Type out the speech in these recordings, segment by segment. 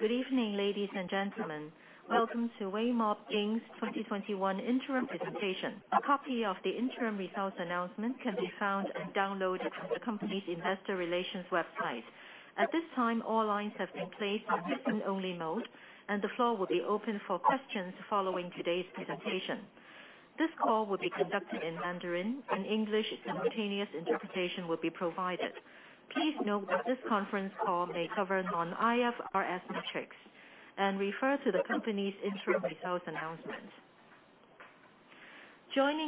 Good evening, ladies and gentlemen. Welcome to Weimob Inc.'s 2021 Interim Presentation. A copy of the interim results announcement can be found and downloaded from the company's investor relations website. Joining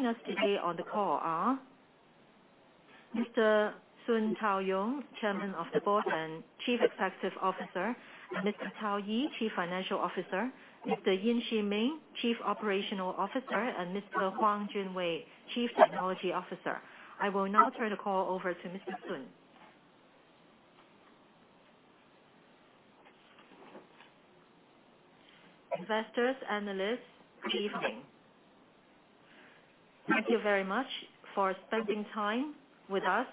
us today on the call are Mr. Sun Taoyong, Chairman of the Board and Chief Executive Officer, Mr. Cao Yi, Chief Financial Officer, Mr. Yin Shiming, Chief Operational Officer, and Mr. Huang Junwei, Chief Technology Officer. I will now turn the call over to Mr. Sun. Investors, analysts, good evening. Thank you very much for spending time with us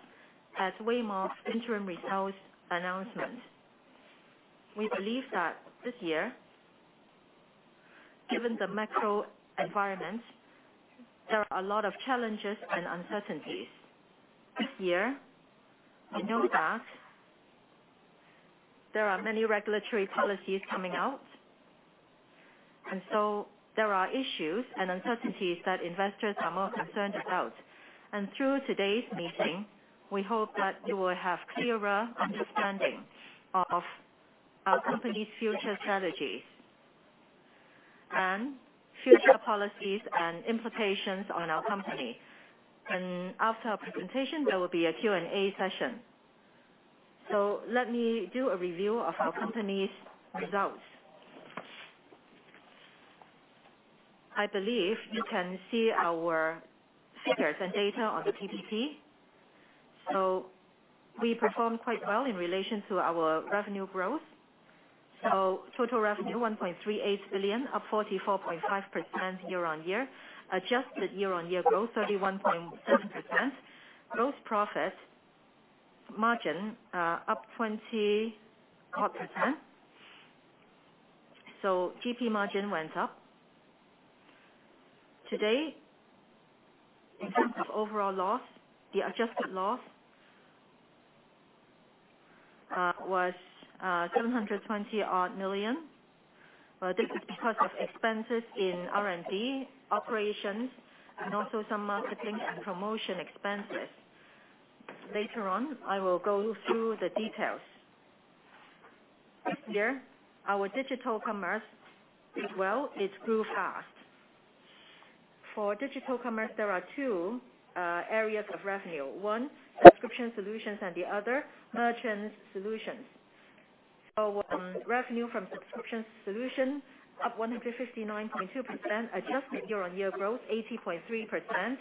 at Weimob interim results announcement. We believe that this year, given the macro environment, there are a lot of challenges and uncertainties. This year, we know that there are many regulatory policies coming out, there are issues and uncertainties that investors are more concerned about. Through today's meeting, we hope that you will have clearer understanding of our company's future strategies, and future policies and implications on our company. After our presentation, there will be a Q&A session. Let me do a review of our company's results. I believe you can see our figures and data on the PPT. We performed quite well in relation to our revenue growth. Total revenue, CNY 1.38 billion, up 44.5% year-on-year. Adjusted year-on-year growth, 31.7%. Gross profit margin, up 20-odd%. GP margin went up. Today, in terms of overall loss, the adjusted loss was 720-odd million. This is because of expenses in R&D, operations, and also some marketing and promotion expenses. Later on, I will go through the details. This year, our digital commerce did well. It grew fast. For digital commerce, there are two areas of revenue: One, subscription solutions, and the other, merchant solutions. Revenue from subscription solution, up 159.2%. Adjusted year-on-year growth, 80.3%.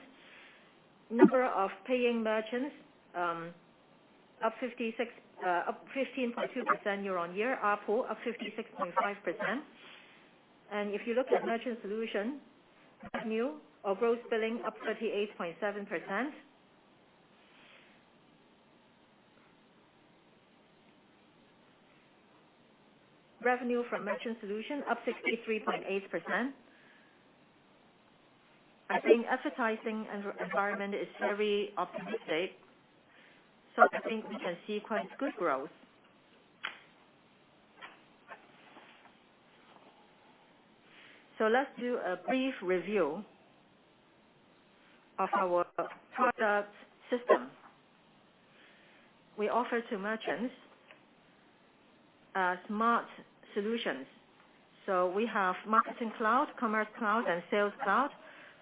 Number of paying merchants, up 15.2% year-on-year. ARPU, up 56.5%. If you look at merchant solution, revenue or gross billing, up 38.7%. Revenue from merchant solution, up 63.8%. I think advertising environment is very optimistic. I think we can see quite good growth. Let's do a brief review of our product system. We offer to merchants smart solutions. We have Marketing Cloud, Commerce Cloud, and Sales Cloud.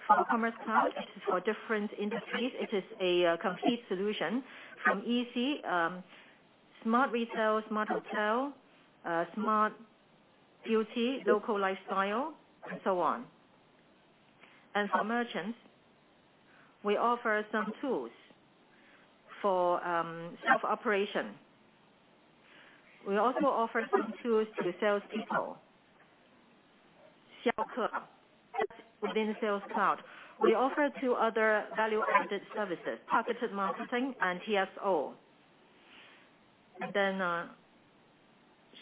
For Commerce Cloud, it is for different industries. It is a complete solution from EC, Smart Retail, smart hotel, smart beauty, local lifestyle, and so on. For merchants, we offer some tools for self-operation. We also offer some tools to salespeople, within Sales Cloud. We offer two other value-added services, targeted marketing and TSO.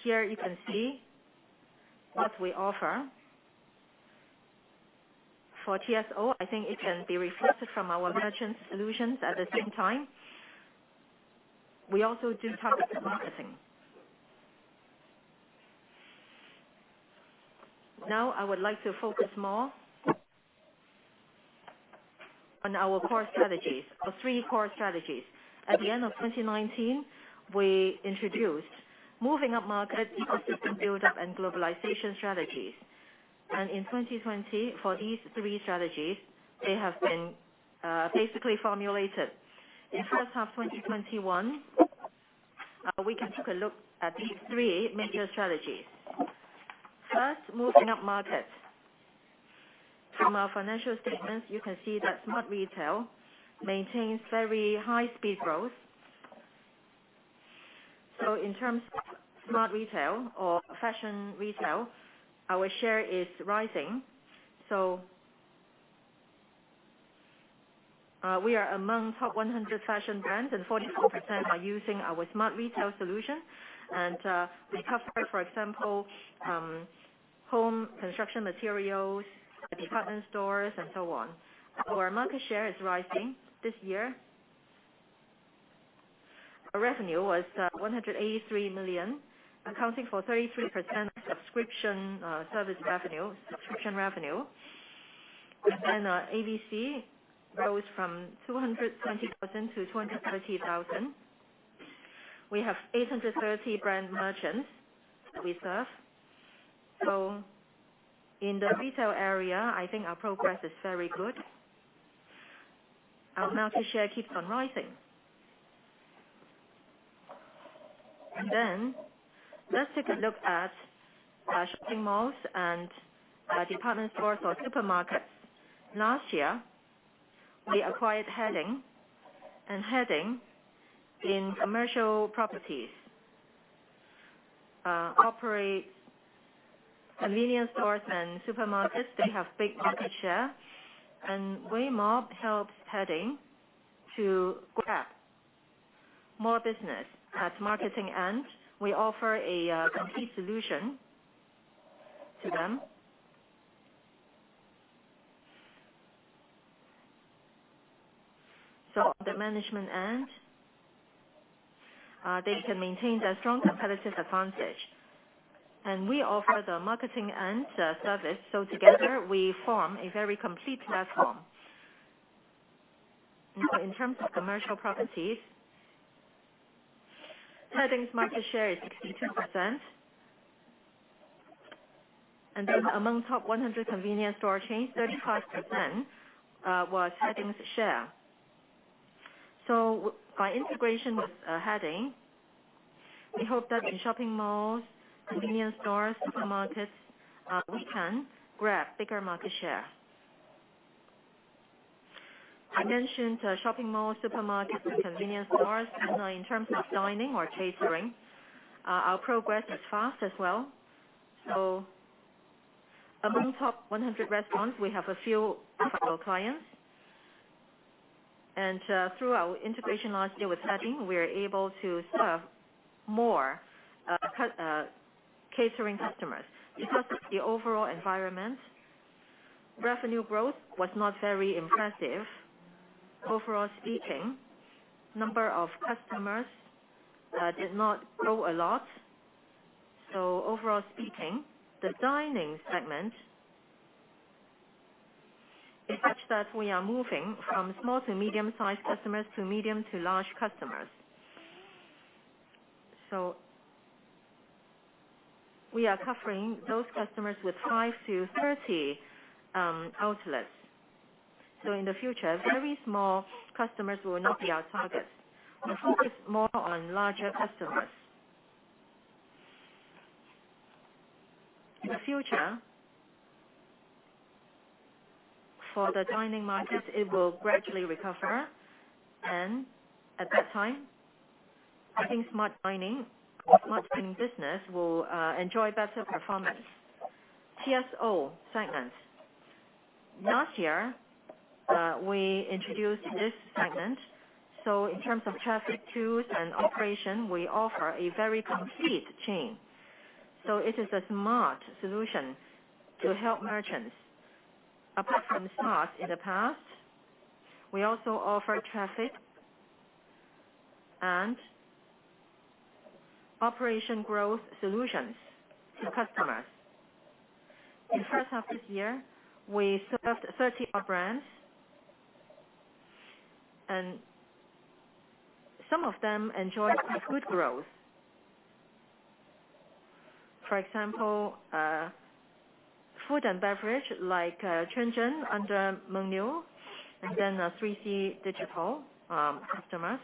Here you can see what we offer. For TSO, I think it can be reflected from our merchant solutions at the same time. We also do targeted marketing. Now I would like to focus more on our core strategies. Our three core strategies. At the end of 2019, we introduced Moving Up Market, Ecosystem Buildup, and Globalization Strategies. In 2020, for these three strategies, they have been basically formulated. In first half 2021, we can take a look at these three major strategies. First, Moving Up Market. From our financial statements, you can see that Smart Retail maintains very high-speed growth. In terms of Smart Retail or fashion retail, our share is rising. We are among top 100 fashion brands, and 44% are using our Smart Retail solution. We cover, for example, home construction materials, department stores, and so on. Our market share is rising this year. Our revenue was 183 million, accounting for 33% of subscription service revenue. Our ARPC rose from 220,000-230,000. We have 830 brand merchants that we serve. In the retail area, I think our progress is very good. Our market share keeps on rising. Let's take a look at our shopping malls and our department stores or supermarkets. Last year, we acquired Haiding. Haiding, in commercial properties, operate convenience stores and supermarkets. They have big market share, and Weimob helps Haiding to grab more business at marketing end. We offer a complete solution to them. On the management end, they can maintain their strong competitive advantage. We offer the marketing end service, so together we form a very complete platform. In terms of commercial properties, Haiding's market share is 62%. Among top 100 convenience store chains, 35% was Haiding's share. By integration with Haiding, we hope that in shopping malls, convenience stores, supermarkets, we can grab bigger market share. I mentioned shopping malls, supermarkets, and convenience stores. In terms of dining or catering, our progress is fast as well. Among top 100 restaurants, we have a few clients. Through our integration last year with Haiding, we are able to serve more catering customers. Because of the overall environment, revenue growth was not very impressive. Number of customers did not grow a lot. The dining segment is such that we are moving from small to medium-sized customers to medium to large customers. We are covering those customers with 5-30 outlets. In the future, very small customers will not be our target. We focus more on larger customers. In the future, for the dining markets, it will gradually recover. At that time, I think Smart Dining business will enjoy better performance. TSO segment. Last year, we introduced this segment. In terms of traffic tools and operation, we offer a very complete chain. It is a smart solution to help merchants. Apart from smart in the past, we also offer traffic and operation growth solutions to customers. In first half this year, we served 30-odd brands, and some of them enjoyed good growth. For example, food and beverage like Chunzhen under Mengniu, and then 3C Digital customers.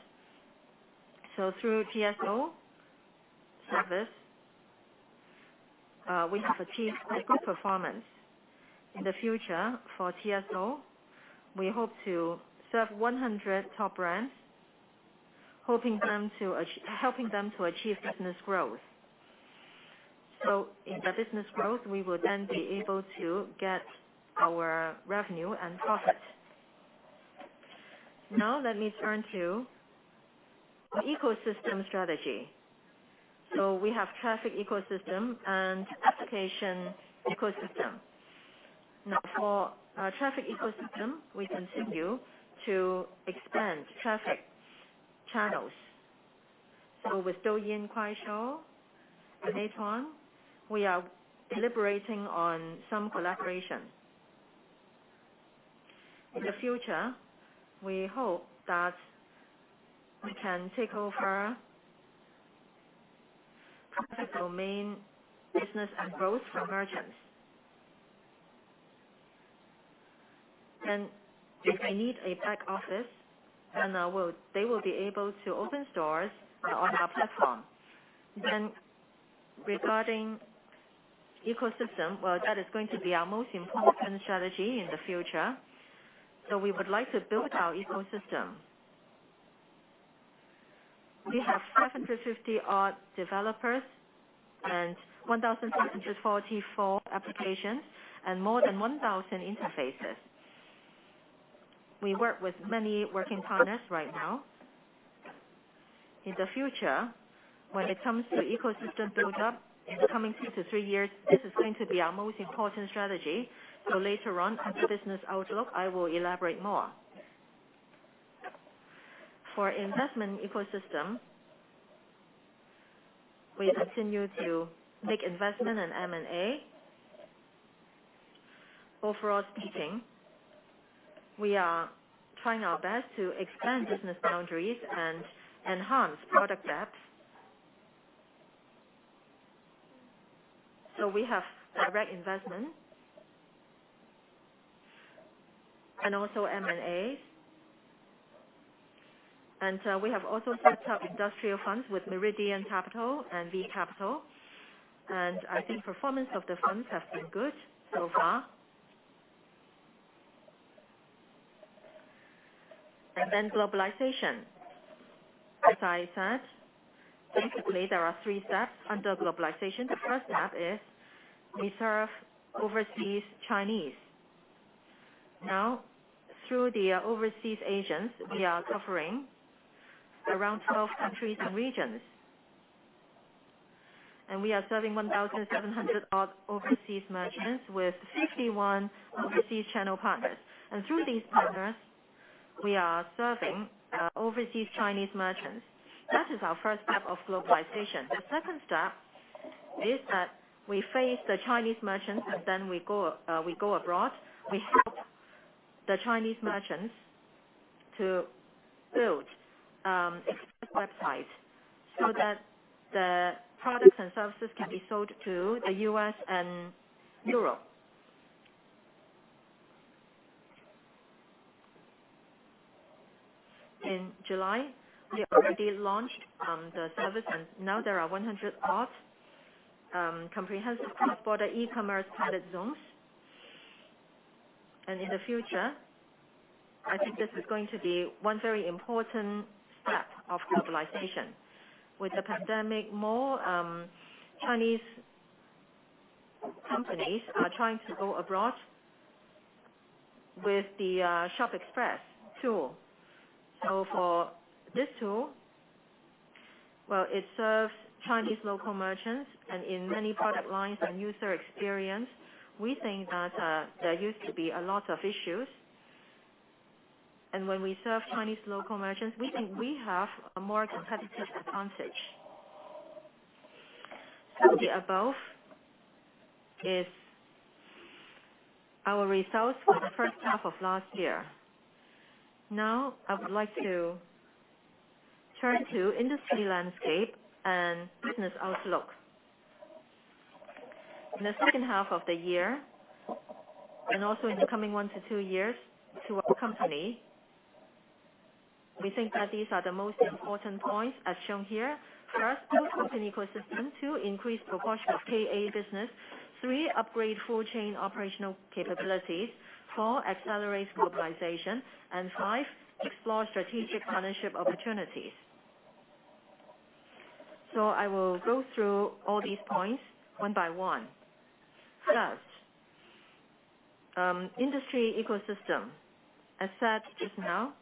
Through TSO service, we have achieved good performance. In the future, for TSO, we hope to serve 100 top brands, helping them to achieve business growth. In the business growth, we will then be able to get our revenue and profit. Let me turn to our ecosystem strategy. We have traffic ecosystem and application ecosystem. For our traffic ecosystem, we continue to expand traffic channels. With Douyin Kuaishou and Xiaohongshu, we are deliberating on some collaboration. In the future, we hope that we can take over traffic domain business and growth for merchants. They may need a back office, and they will be able to open stores on our platform. Regarding ecosystem, well, that is going to be our most important strategy in the future. We would like to build our ecosystem. We have 550-odd developers and 1,744 applications and more than 1,000 interfaces. We work with many working partners right now. In the future, when it comes to ecosystem build-up in the coming two to three years, this is going to be our most important strategy. Later on, in the business outlook, I will elaborate more. For investment ecosystem, we continue to make investment in M&A. Overall speaking, we are trying our best to expand business boundaries and enhance product depth. We have direct investment and also M&As. We have also set up industrial funds with Meridian Capital and We Capital, and I think the performance of the funds has been good so far. Globalization. As I said, basically, there are three steps under globalization. The first step is we serve overseas Chinese. Through the overseas agents, we are covering around 12 countries and regions. We are serving 1,700-odd overseas merchants with 51 overseas channel partners. Through these partners, we are serving overseas Chinese merchants. That is our first step of globalization. The second step is that we face the Chinese merchants, and then we go abroad. We help the Chinese merchants to build ShopExpress websites so that the products and services can be sold to the U.S. and Europe. In July, we already launched the service, and now there are 100-odd comprehensive cross-border e-commerce pilot zones. In the future, I think this is going to be one very important step of globalization. With the pandemic, more Chinese companies are trying to go abroad with the ShopExpress tool. For this tool, it serves Chinese local merchants. In many product lines and user experience, we think that there used to be a lot of issues. When we serve Chinese local merchants, we think we have a more competitive advantage. The above is our results for the first half of last year. Now, I would like to turn to the industry landscape and business outlook. In the second half of the year, and also in the coming one to two years to our company, we think that these are the most important points as shown here. First, build open ecosystem. Two. Increase proportion of KA business. Three. Upgrade full-chain operational capabilities. Four. Accelerate globalization, and Five. Explore strategic partnership opportunities. I will go through all these points one by one. First, industry ecosystem. I said just now,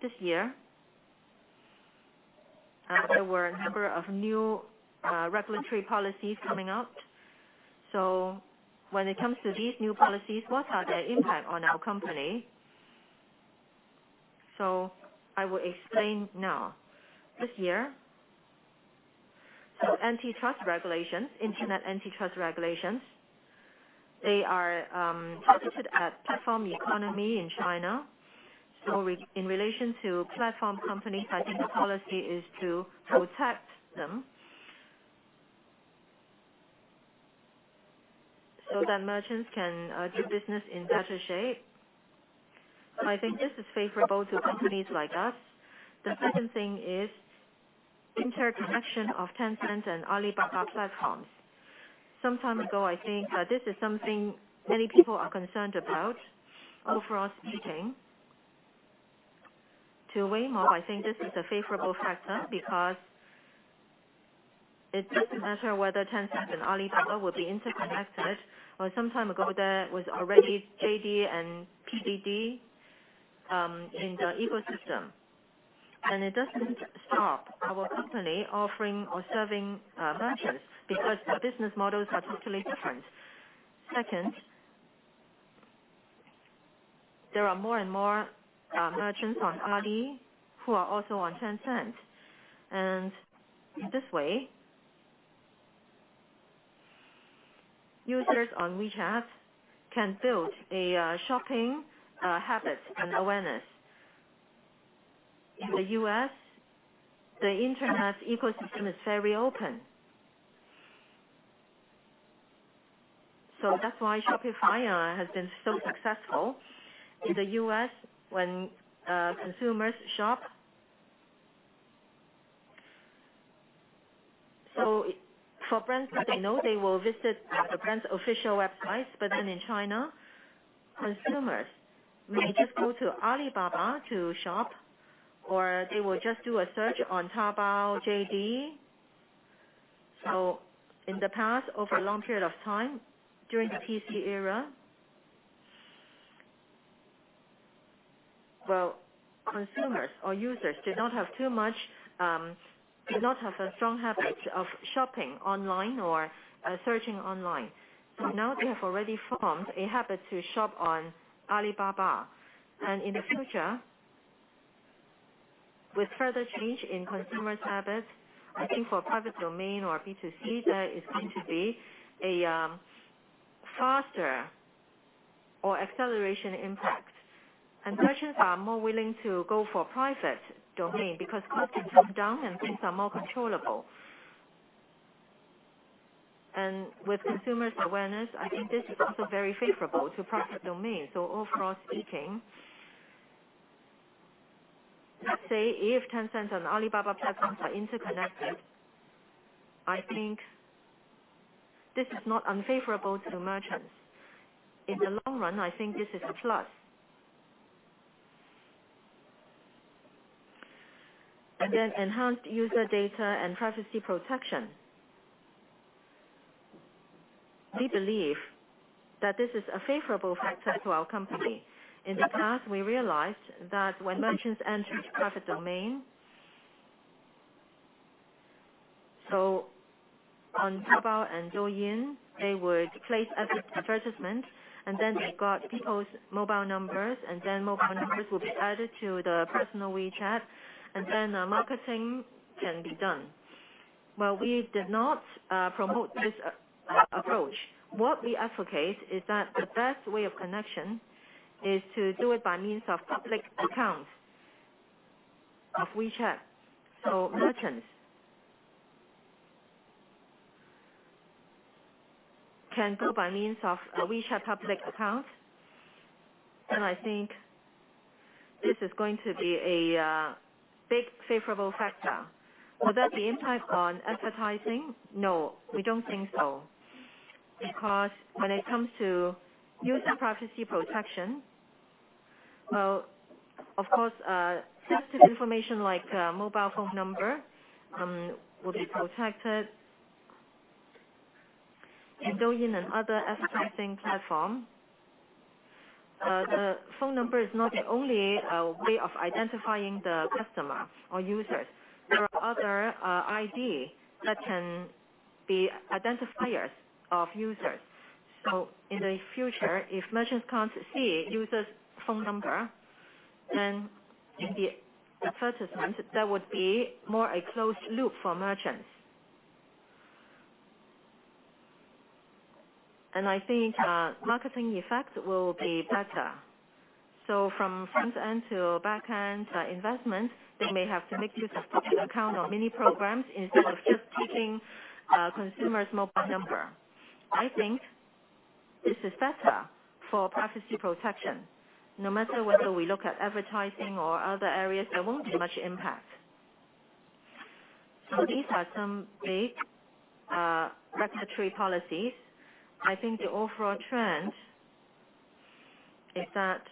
this year, there were a number of new regulatory policies coming out. When it comes to these new policies, what are their impact on our company? I will explain now. This year, some internet antitrust regulations are targeted at platform economy in China. In relation to platform companies, I think the policy is to protect them so that merchants can do business in better shape. I think this is favorable to companies like us. The second thing is the interconnection of Tencent and Alibaba platforms. Some time ago, I think this is something many people are concerned about. Overall speaking, to Weimob, I think this is a favorable factor because it doesn't matter whether Tencent and Alibaba will be interconnected. Well, some time ago, there was already JD and PDD in the ecosystem. It doesn't stop our company offering or serving merchants because their business models are totally different. Second, there are more and more merchants on Ali who are also on Tencent. In this way, users on WeChat can build a shopping habit and awareness. In the U.S., the internet ecosystem is very open. That's why Shopify has been so successful in the U.S. when consumers shop. For brands that they know, they will visit the brand's official websites. In China, consumers may just go to Alibaba to shop, or they will just do a search on Taobao JD. In the past, over a long period of time, during the PC era, well, consumers or users did not have a strong habit of shopping online or searching online. Now they have already formed a habit to shop on Alibaba. In the future, with further change in consumers' habits, I think for private domain or B2C data is going to be a faster or acceleration impact. Merchants are more willing to go for private domain because costs are chopped down and things are more controllable. With consumers' awareness, I think this is also very favorable to private domain. Overall speaking, let's say if Tencent and Alibaba platforms are interconnected, I think this is not unfavorable to merchants. In the long run, I think this is a plus. Then enhanced user data and privacy protection. We believe that this is a favorable factor to our company. In the past, we realized that when merchants entered private domain, so on Taobao and Douyin, they would place advertisements, and then they got people's mobile numbers, and then mobile numbers will be added to the personal WeChat, and then marketing can be done. Well, we did not promote this approach. What we advocate is that the best way of connection is to do it by means of public accounts of WeChat. Merchants can go by means of a WeChat public account. I think this is going to be a big favorable factor. Will that be impact on advertising? No, we don't think so. Because when it comes to user privacy protection, well, of course, sensitive information like mobile phone number will be protected in Douyin and other advertising platform. The phone number is not the only way of identifying the customer or users. There are other ID that can be identifiers of users. In the future, if merchants can't see user's phone number, then in the advertisement, that would be more a closed loop for merchants. I think marketing effect will be better. From front end to back end investment, they may have to make use of public account or mini programs instead of just taking consumer's mobile number. I think this is better for privacy protection. No matter whether we look at advertising or other areas, there won't be much impact. These are some big regulatory policies. I think the overall trend is that,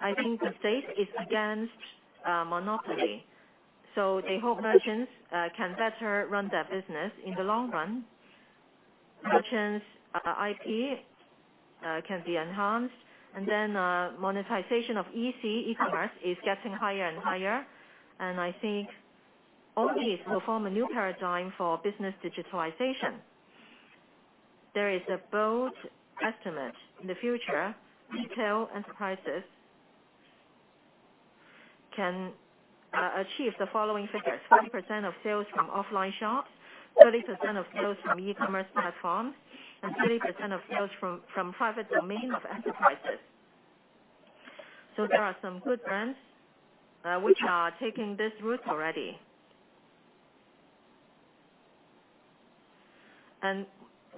I think the state is against monopoly, they hope merchants can better run their business in the long run. Merchants' IP can be enhanced, monetization of EC, e-commerce, is getting higher and higher. I think O2O will form a new paradigm for business digitalization. There is a bold estimate. In the future, retail enterprises can achieve the following figures, 40% of sales from offline shops, 30% of sales from e-commerce platforms, and 30% of sales from private domain of enterprises. There are some good brands which are taking this route already.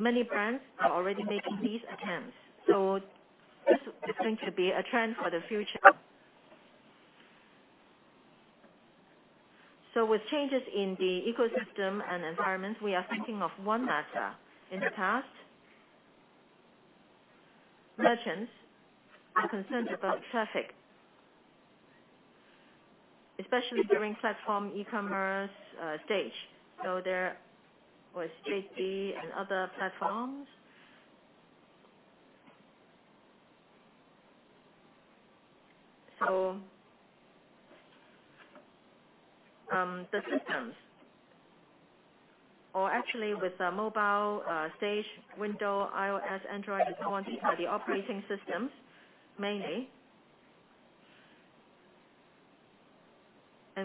Many brands are already making these attempts. This is going to be a trend for the future. With changes in the ecosystem and environment, we are thinking of one matter. In the past, merchants are concerned about traffic, especially during platform e-commerce stage. There was JD and other platforms. The systems or actually with the mobile stage, Windows, iOS, Android, and so on, the operating systems mainly.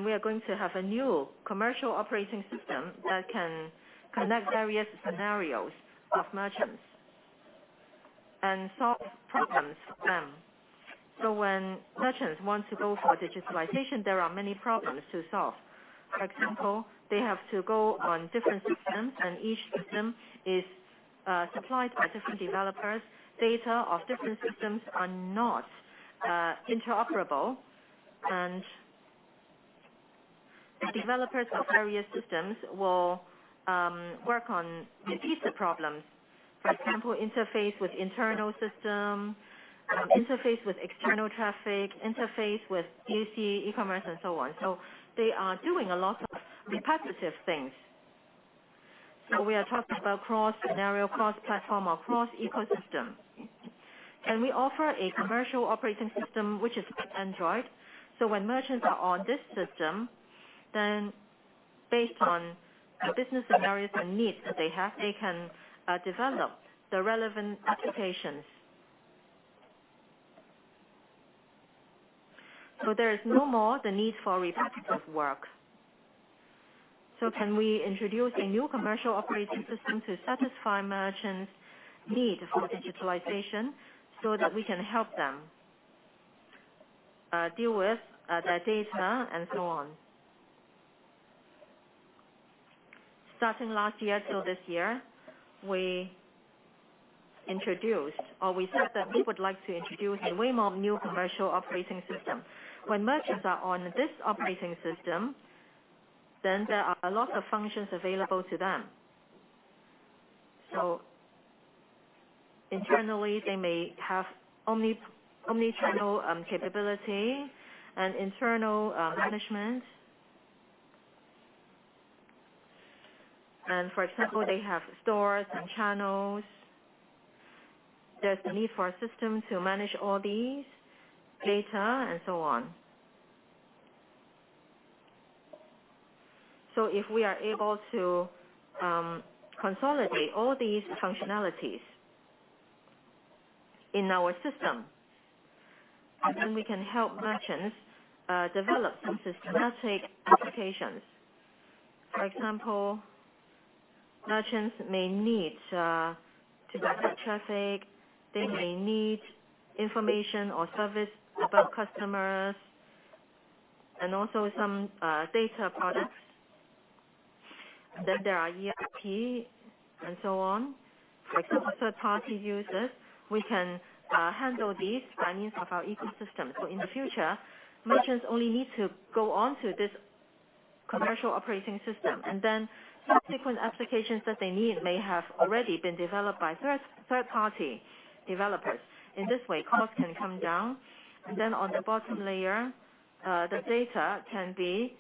We are going to have a new commercial operating system that can connect various scenarios of merchants and solve problems for them. When merchants want to go for digitalization, there are many problems to solve. For example, they have to go on different systems, and each system is supplied by different developers, data of different systems are not interoperable, and the developers of various systems will work on repeated problems. For example, interface with internal system, interface with external traffic, interface with POS, e-commerce, and so on. They are doing a lot of repetitive things. We are talking about cross-scenario, cross-platform, or cross-ecosystem. We offer a commercial operating system, which is Android. When merchants are on this system, based on the business scenarios and needs that they have, they can develop the relevant applications. There is no more the need for repetitive work. Can we introduce a new commercial operating system to satisfy merchants' needs for digitalization so that we can help them deal with their data and so on? Starting last year till this year, we said that we would like to introduce a Weimob new commercial operating system. When merchants are on this operating system, there are a lot of functions available to them. Internally, they may have omnichannel capability and internal management. For example, they have stores and channels. There's the need for a system to manage all these data and so on. If we are able to consolidate all these functionalities in our system, we can help merchants develop some systematic applications. For example, merchants may need to look at traffic, they may need information or service about customers, and also some data products. There are ERP and so on. For third-party users, we can handle these needs of our ecosystem. In the future, merchants only need to go onto this commercial operating system, and then subsequent applications that they need may have already been developed by third-party developers. In this way, cost can come down, and then on the bottom layer, the data can be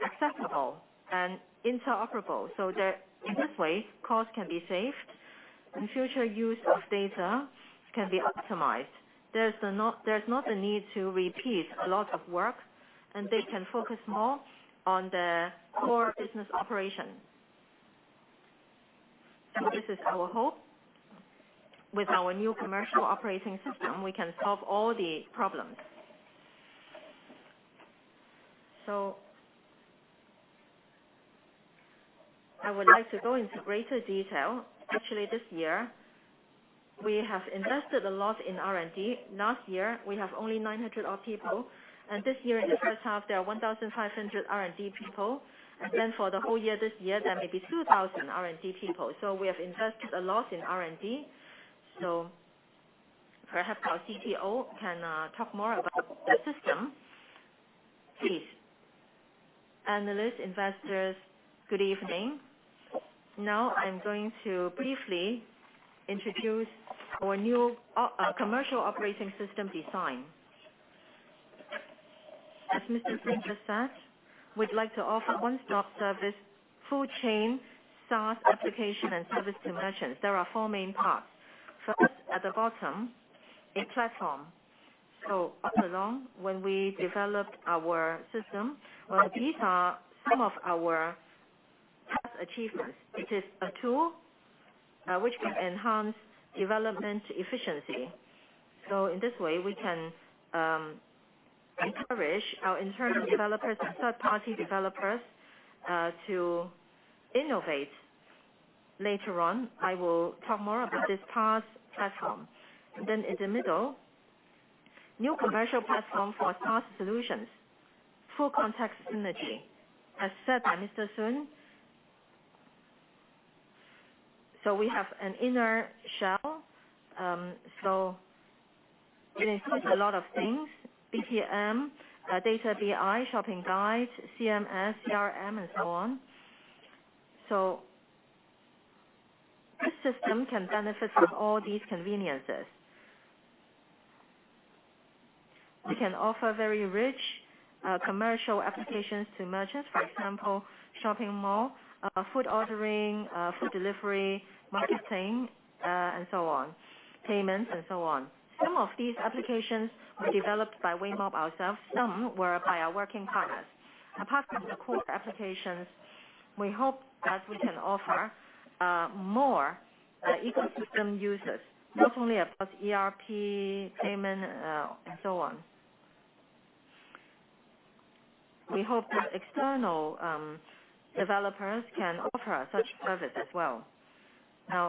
acceptable and interoperable. That in this way, cost can be saved and future use of data can be optimized. There's not the need to repeat a lot of work and they can focus more on their core business operation. This is our hope. With our new commercial operating system, we can solve all the problems. I would like to go into greater detail. Actually, this year, we have invested a lot in R&D. Last year, we have only 900-odd people, and this year in the first half, there are 1,500 R&D people. For the whole year this year, there may be 2,000 R&D people. We have invested a lot in R&D. Perhaps our CTO can talk more about the system. Please. Analysts, investors, good evening. Now I am going to briefly introduce our new commercial operating system design. As Mr. Sun just said, we would like to offer one-stop service, full chain, SaaS application, and service to merchants. There are four main parts. First, at the bottom, a platform. All along when we developed our system, these are some of our past achievements. It is a tool which can enhance development efficiency. In this way, we can encourage our internal developers and third-party developers to innovate. Later on, I will talk more about this PaaS platform. In the middle, new commercial platform for SaaS solutions, full context synergy. As said by Mr. Sun. We have an inner shell. It includes a lot of things, BTM, data BI, shopping guide, CMS, CRM and so on. This system can benefit from all these conveniences. We can offer very rich commercial applications to merchants. For example, shopping mall, food ordering, food delivery, marketing, payments, and so on. Some of these applications were developed by Weimob ourselves, some were by our working partners. Apart from the core applications, we hope that we can offer more ecosystem users, not only across ERP, payment, and so on. We hope that external developers can offer such service as well.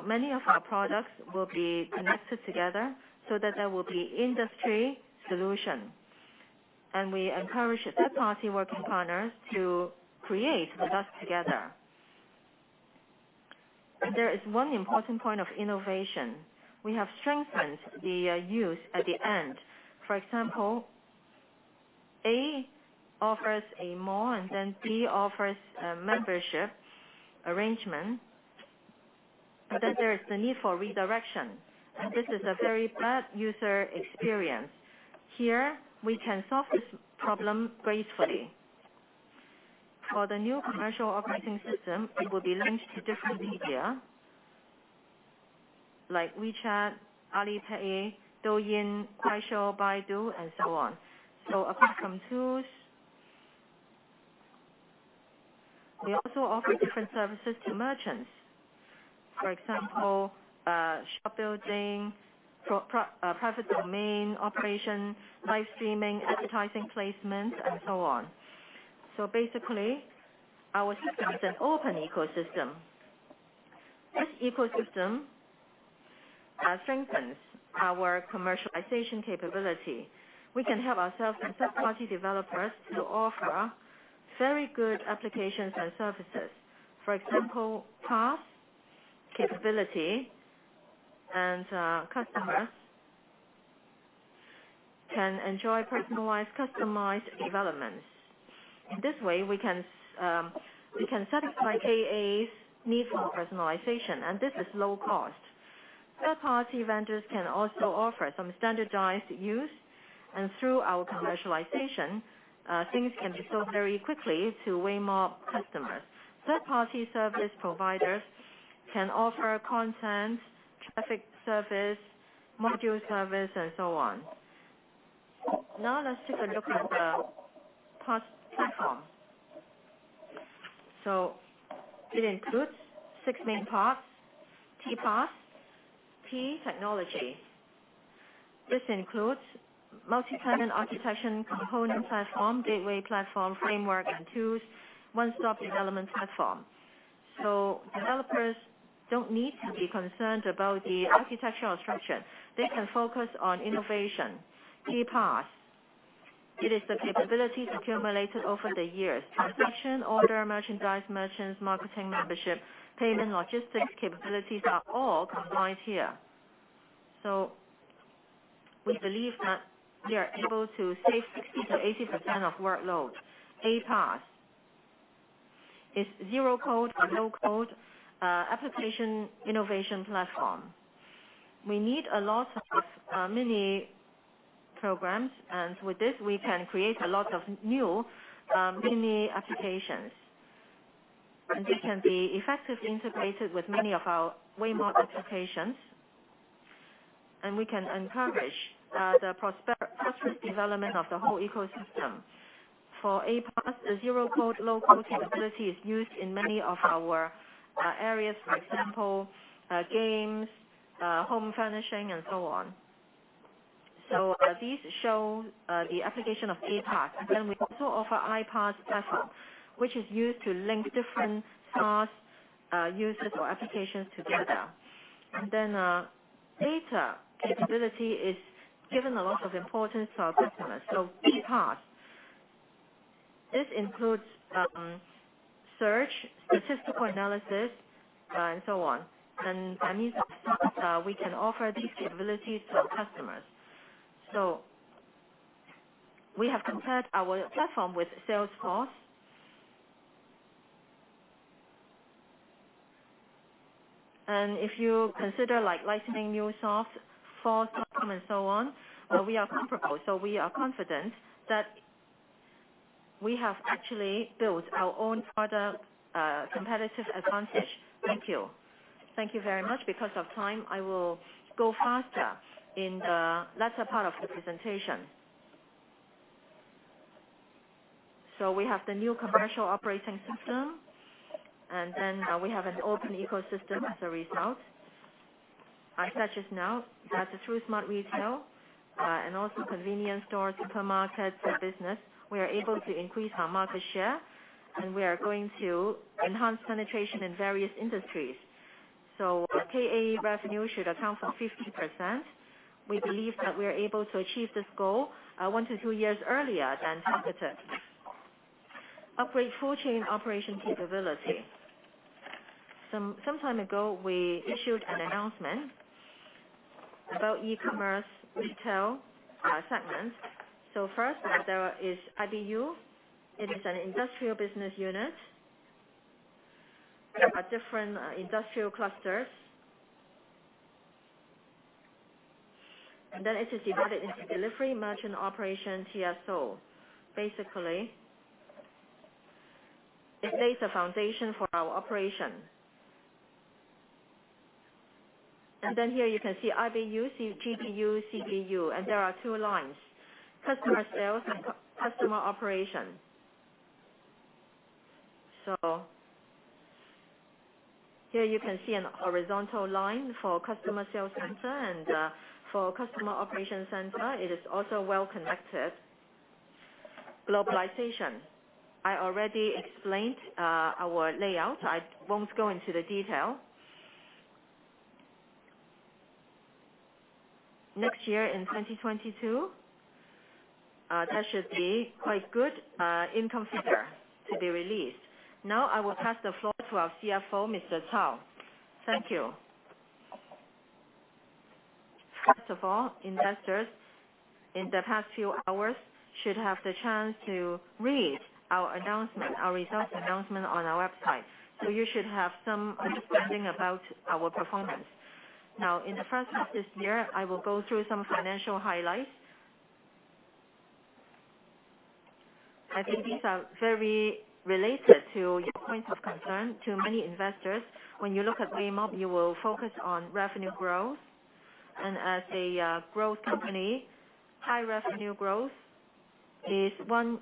Many of our products will be connected together so that there will be industry solution. We encourage third-party working partners to create the best together. There is 1 important point of innovation. We have strengthened the use at the end. For example, A offers a mall, and then B offers a membership arrangement. There is the need for redirection, and this is a very bad user experience. Here, we can solve this problem gracefully. For the new commercial operating system, it will be linked to different media, like WeChat, Alipay, Douyin, Kuaishou, Baidu, and so on. Apart from tools, we also offer different services to merchants. For example, shop building, private domain operation, live streaming, advertising placement, and so on. Basically, our system is an open ecosystem. This ecosystem strengthens our commercialization capability. We can help ourselves and third-party developers to offer very good applications and services. For example, PaaS capability and customers can enjoy personalized, customized developments. In this way, we can satisfy KAs need for personalization, and this is low cost. Third-party vendors can also offer some standardized use, and through our commercialization, things can be sold very quickly to Weimob customers. Third-party service providers can offer content, traffic service, module service, and so on. Let's take a look at the PaaS platform. It includes six main parts. T-PaaS, T, technology. This includes multi-tenant architecture, component platform, gateway platform, framework, and tools, one-stop development platform. Developers don't need to be concerned about the architectural structure. They can focus on innovation. T-PaaS. It is the capabilities accumulated over the years. Transaction, order, merchandise, merchants, marketing, membership, payment, logistics capabilities are all combined here. We believe that we are able to save 60%-80% of workload. A-PaaS is zero-code and low-code application innovation platform. We need a lot of mini-programs, and with this, we can create a lot of new mini applications. This can be effectively integrated with many of our Weimob applications, and we can encourage the prosperous development of the whole ecosystem. For A-PaaS, the zero-code, low-code capability is used in many of our areas, for example, games, home furnishing, and so on. These show the application of A-PaaS. We also offer I-PaaS platform, which is used to link different PaaS uses or applications together. Data capability is given a lot of importance to our customers. B-PaaS. This includes search, statistical analysis, and so on. By means of PaaS, we can offer these capabilities to our customers. We have compared our platform with Salesforce. If you consider Lightning, MuleSoft, Force.com, and so on, we are comparable. We are confident that we have actually built our own product competitive advantage. Thank you. Thank you very much. Because of time, I will go faster in the latter part of the presentation. We have the new commercial operating system, and then we have an open ecosystem as a result. I said just now that through Smart Retail and also convenience store, supermarket business, we are able to increase our market share, and we are going to enhance penetration in various industries. KA revenue should account for 50%. We believe that we are able to achieve this goal one to two years earlier than targeted. Upgrade full-chain operation capability. Some time ago, we issued an announcement about e-commerce retail segment. First, there is IBU. It is an industrial business unit. There are different industrial clusters. Then it is divided into delivery, merchant operation, TSO. Basically, it lays the foundation for our operation. Here you can see IBU, CGU, CBU, and there are two lines, customer sales and customer operation. Here you can see a horizontal line for customer sales center and for customer operation center. It is also well-connected. Globalization. I already explained our layout. I won't go into the detail. Next year in 2022, that should be quite good income figure to be released. Now I will pass the floor to our CFO, Mr. Cao. Thank you. First of all, investors in the past few hours should have the chance to read our announcement, our results announcement on our website. You should have some understanding about our performance. Now in the first half this year, I will go through some financial highlights. I think these are very related to your point of concern to many investors. As a growth company, high revenue growth is one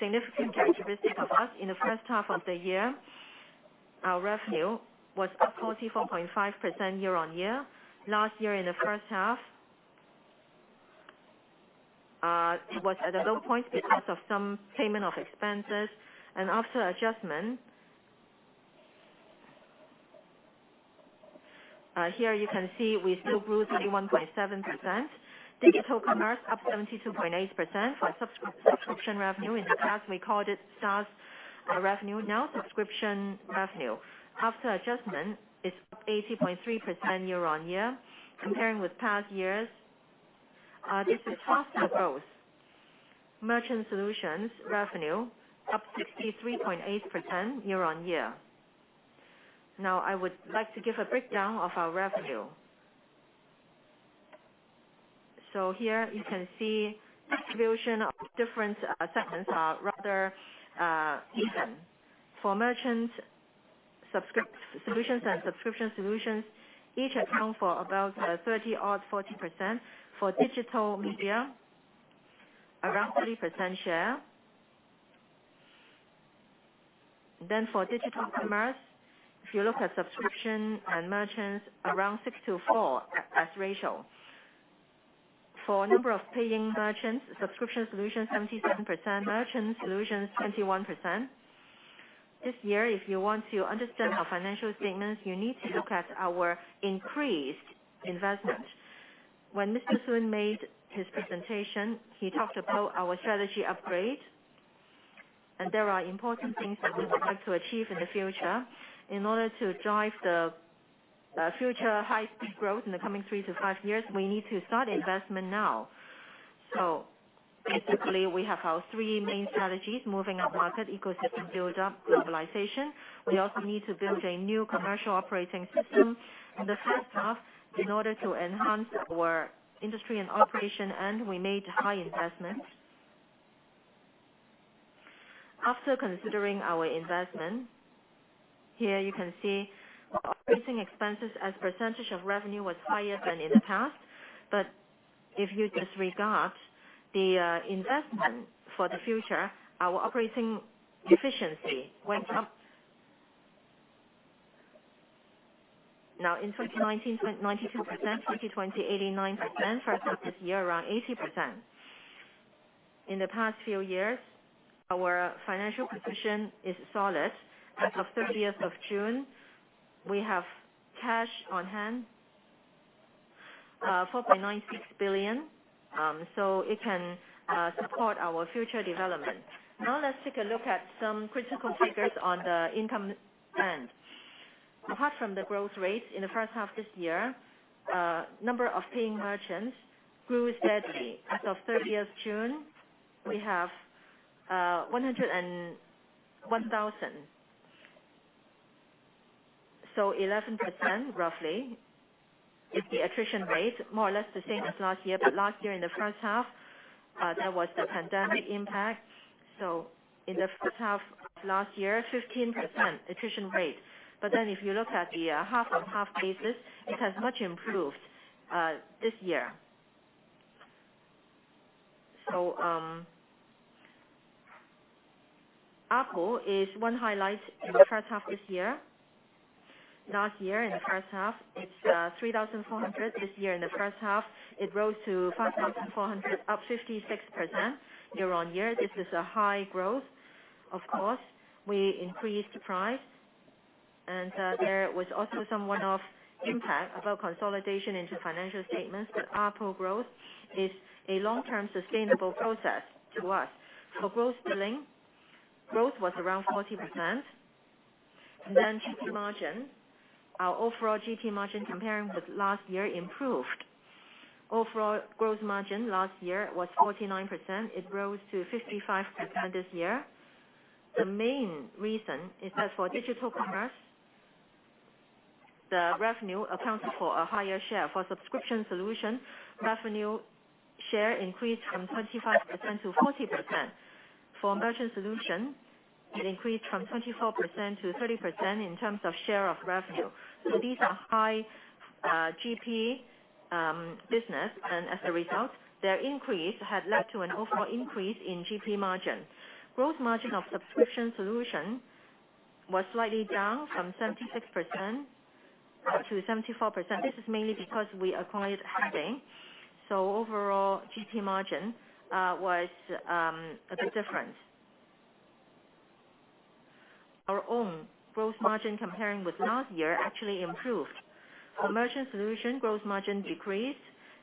significant characteristic of us. In the first half of the year, our revenue was up 44.5% year-on-year. Last year in the first half, it was at a low point because of some payment of expenses. After adjustment, here you can see we still grew 31.7%. Digital commerce up 72.8% for subscription revenue. In the past, we called it SaaS revenue, now subscription revenue. After adjustment, it's up 80.3% year-on-year. Comparing with past years, this is faster growth. Merchant solutions revenue up 63.8% year-on-year. I would like to give a breakdown of our revenue. Here you can see distribution of different segments are rather even. For merchant solutions and subscription solutions, each account for about 30-odd, 40%. For digital media, around 30% share. For digital commerce, if you look at subscription and merchants, around 62.4 as ratio. For number of paying merchants, subscription solutions 77%, merchant solutions 21%. This year, if you want to understand our financial statements, you need to look at our increased investment. When Mr. Sun made his presentation, he talked about our strategy upgrade, and there are important things that we would like to achieve in the future. In order to drive the future high-speed growth in the coming three to five years, we need to start investment now. Basically, we have our three main strategies, moving up market, ecosystem build-up, globalization. We also need to build a new commercial operating system. In the first half, in order to enhance our industry and operation, and we made high investments. After considering our investment, here you can see operating expenses as percentage of revenue was higher than in the past. If you disregard the investment for the future, our operating efficiency went up. In 2019, 92%, 2020, 89%, first half this year around 80%. In the past few years, our financial position is solid. As of 30th of June, we have cash on hand, 4.96 billion, so it can support our future development. Let's take a look at some critical figures on the income end. Apart from the growth rate in the first half this year, number of paying merchants grew steadily. As of 30th June, we have 101,000. 11%, roughly, is the attrition rate, more or less the same as last year. Last year in the first half, there was the pandemic impact. In the first half of last year, 15% attrition rate. If you look at the half-on-half basis, it has much improved this year. ARPU is one highlight in the first half this year. Last year in the first half, it's 3,400. This year in the first half, it rose to 5,400, up 56% year-on-year. This is a high growth. Of course, we increased the price, and there was also somewhat of impact about consolidation into financial statements. ARPU growth is a long-term sustainable process to us. For gross billing, growth was around 40%. GP margin. Our overall GP margin comparing with last year improved. Overall gross margin last year was 49%. It rose to 55% this year. The main reason is that for digital commerce, the revenue accounted for a higher share. For subscription solution, revenue share increased from 25% to 40%. For merchant solution, it increased from 24%-30% in terms of share of revenue. These are high GP businesses, and as a result, their increase had led to an overall increase in GP margin. Gross margin of subscription solution was slightly down from 76%-74%. This is mainly because we acquired Haiding. Overall GP margin was a bit different. Our own gross margin comparing with last year actually improved. For merchant solution, gross margin decreased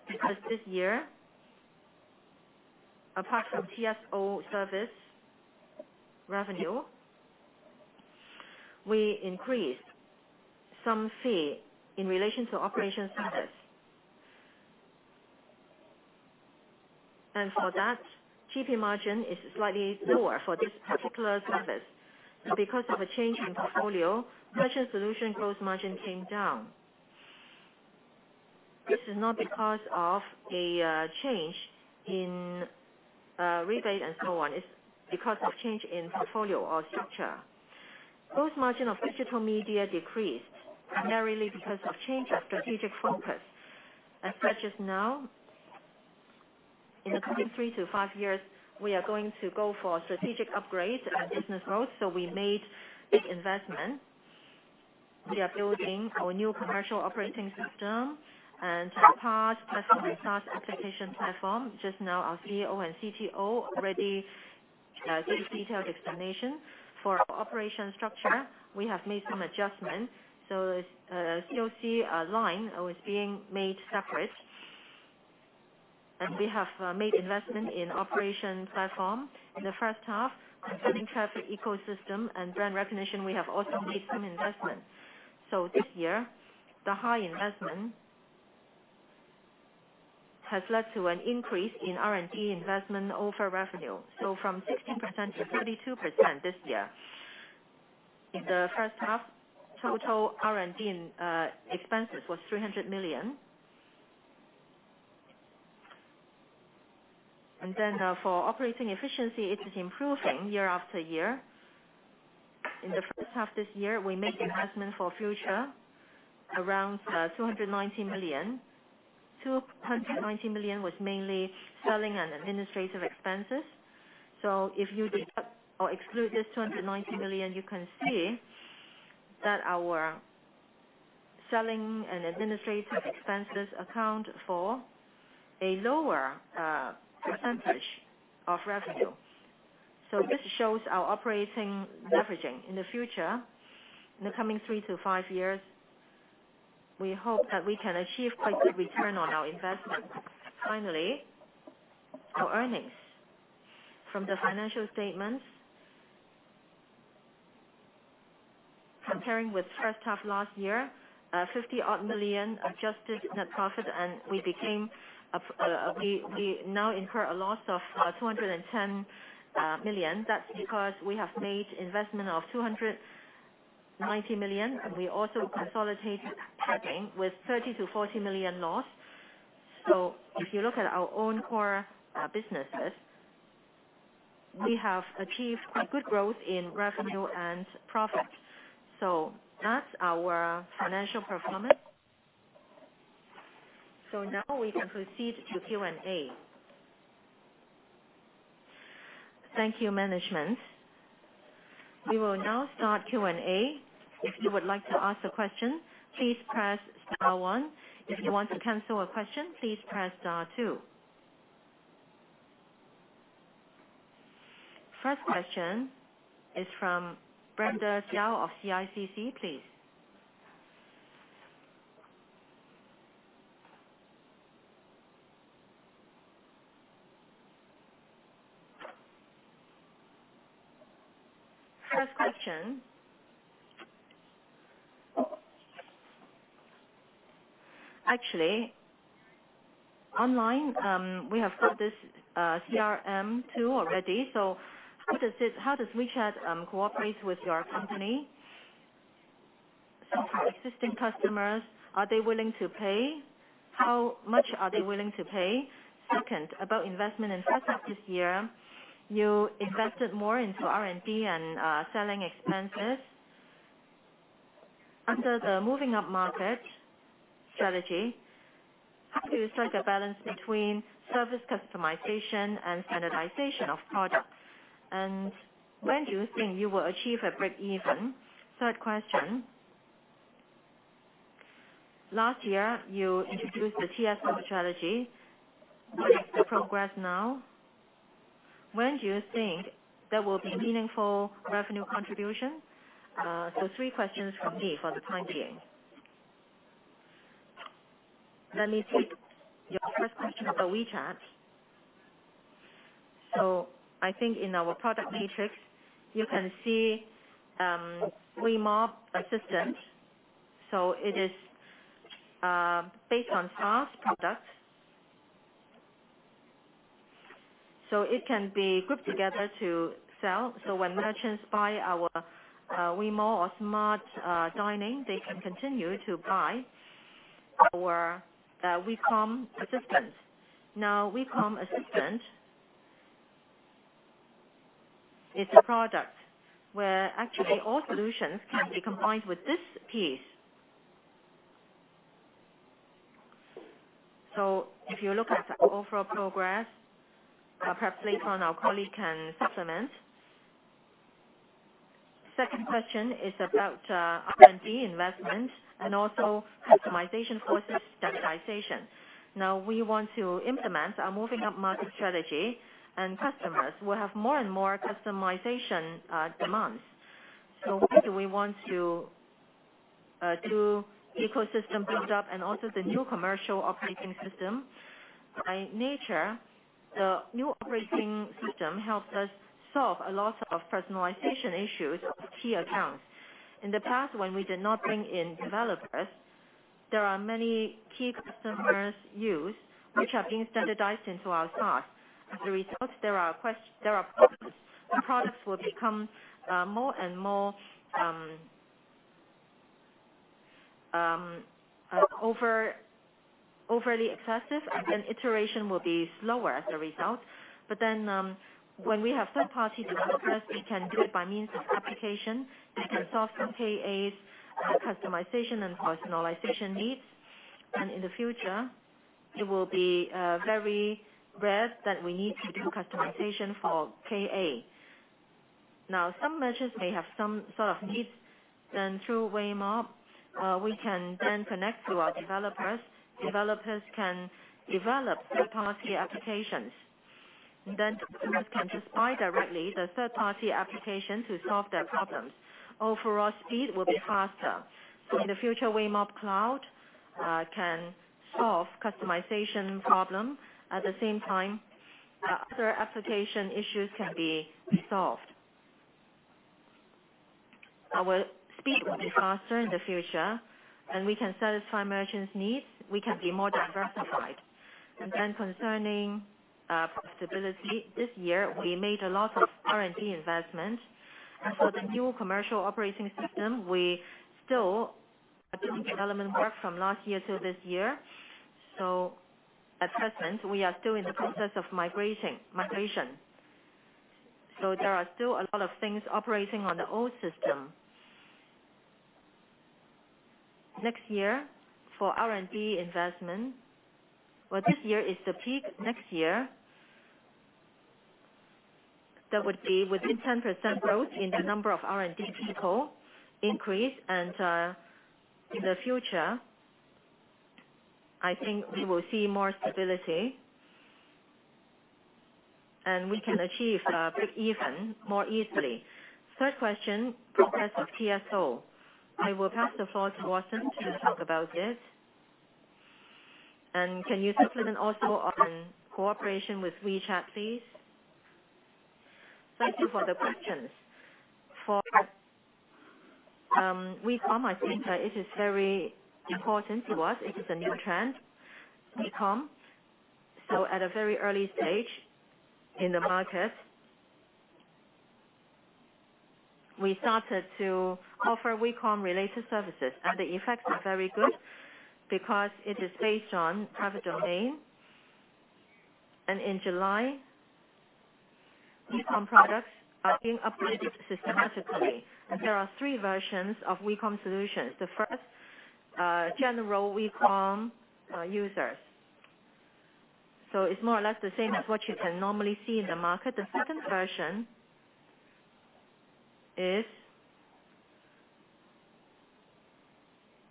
because this year, apart from TSO service revenue, we increased some fee in relation to operation service. For that, GP margin is slightly lower for this particular service. Because of a change in portfolio, merchant solution gross margin came down. This is not because of a change in rebate and so on. It's because of change in portfolio or structure. Gross margin of digital media decreased primarily because of change of strategic focus. In the coming three to five years, we are going to go for strategic upgrade and business growth, we made big investment. We are building our new commercial operating system and PaaS platform and SaaS application platform. Just now, our CEO and CTO already gave a detailed explanation. For our operation structure, we have made some adjustments. COC line was being made separate, and we have made investment in operation platform. In the first half, concerning traffic ecosystem and brand recognition, we have also made some investments. This year, the high investment has led to an increase in R&D investment over revenue. From 16%-32% this year. In the first half, total R&D expenses was 300 million. For operating efficiency, it is improving year-over-year. In the first half this year, we made investment for future around 290 million. 290 million was mainly selling and administrative expenses. If you deduct or exclude this 290 million, you can see that our selling and administrative expenses account for a lower percentage of revenue. This shows our operating leveraging. In the future, in the coming three to five years, we hope that we can achieve quite good return on our investment. Finally, our earnings. From the financial statements, comparing with first half last year, 50 odd million adjusted net profit, and we now incur a loss of 210 million. That's because we have made investment of 290 million, and we also consolidated Haiding with 30 million-40 million loss. If you look at our own core businesses, we have achieved quite good growth in revenue and profit. That's our financial performance. Now we can proceed to Q&A. Thank you, management. We will now start Q&A. If you would like to ask a question, please press star one. If you want to cancel a question, please press star two. First question is from Brenda Zhao of CICC, please. First question. Actually, online, we have got this CRM tool already. How does WeChat cooperate with your company? For existing customers, are they willing to pay? How much are they willing to pay? Second, about investment in first half this year, you invested more into R&D and selling expenses. Under the moving up market strategy, how do you strike a balance between service customization and standardization of products? When do you think you will achieve a break-even? Third question. Last year, you introduced the TSO strategy. What is the progress now? When do you think there will be meaningful revenue contribution? Three questions from me for the time being. Let me take your first question about WeChat. I think in our product matrix, you can see WeCom Assistant. It is based on SaaS product. It can be grouped together to sell. When merchants buy our Weimob or Smart Dining, they can continue to buy our WeCom Assistant. WeCom Assistant is a product where actually all solutions can be combined with this piece. If you look at the overall progress, perhaps later on our colleague can supplement. Second question is about R&D investment and also customization versus standardization. We want to implement our moving up market strategy, and customers will have more and more customization demands. Why do we want to ecosystem build up and also the new commercial operating system. By nature, the new operating system helps us solve a lot of personalization issues of key accounts. In the past, when we did not bring in developers, there are many key customers use, which are being standardized into our SaaS. As a result, there are problems. The products will become more and more overly excessive, iteration will be slower as a result. When we have third-party developers, we can do it by means of application. We can solve some KAs, customization, and personalization needs. In the future, it will be very rare that we need to do customization for KA. Now, some merchants may have some sort of needs, then through Weimob, we can then connect to our developers. Developers can develop third-party applications. Customers can just buy directly the third-party application to solve their problems. Overall speed will be faster. In the future, Weimob Cloud can solve customization problem. At the same time, other application issues can be solved. Our speed will be faster in the future, and we can satisfy merchants' needs. We can be more diversified. Concerning profitability, this year, we made a lot of R&D investments. For the new commercial operating system, we still are doing development work from last year till this year. Assessments, we are still in the process of migration. There are still a lot of things operating on the old system. Next year, for R&D investment, where this year is the peak, next year, that would be within 10% growth in the number of R&D people increase. In the future, I think we will see more stability, and we can achieve breakeven more easily. Third question, progress of TSO. I will pass the floor to Watson to talk about this. Can you touch a little also on cooperation with WeChat, please? Thank you for the questions. WeCom, I think it is very important to us. It is a new trend, WeCom. At a very early stage in the market, we started to offer WeCom related services. The effect is very good because it is based on private domain. In July, WeCom products are being upgraded systematically. There are three versions of WeCom solutions. The first, general WeCom users. It's more or less the same as what you can normally see in the market. The second version is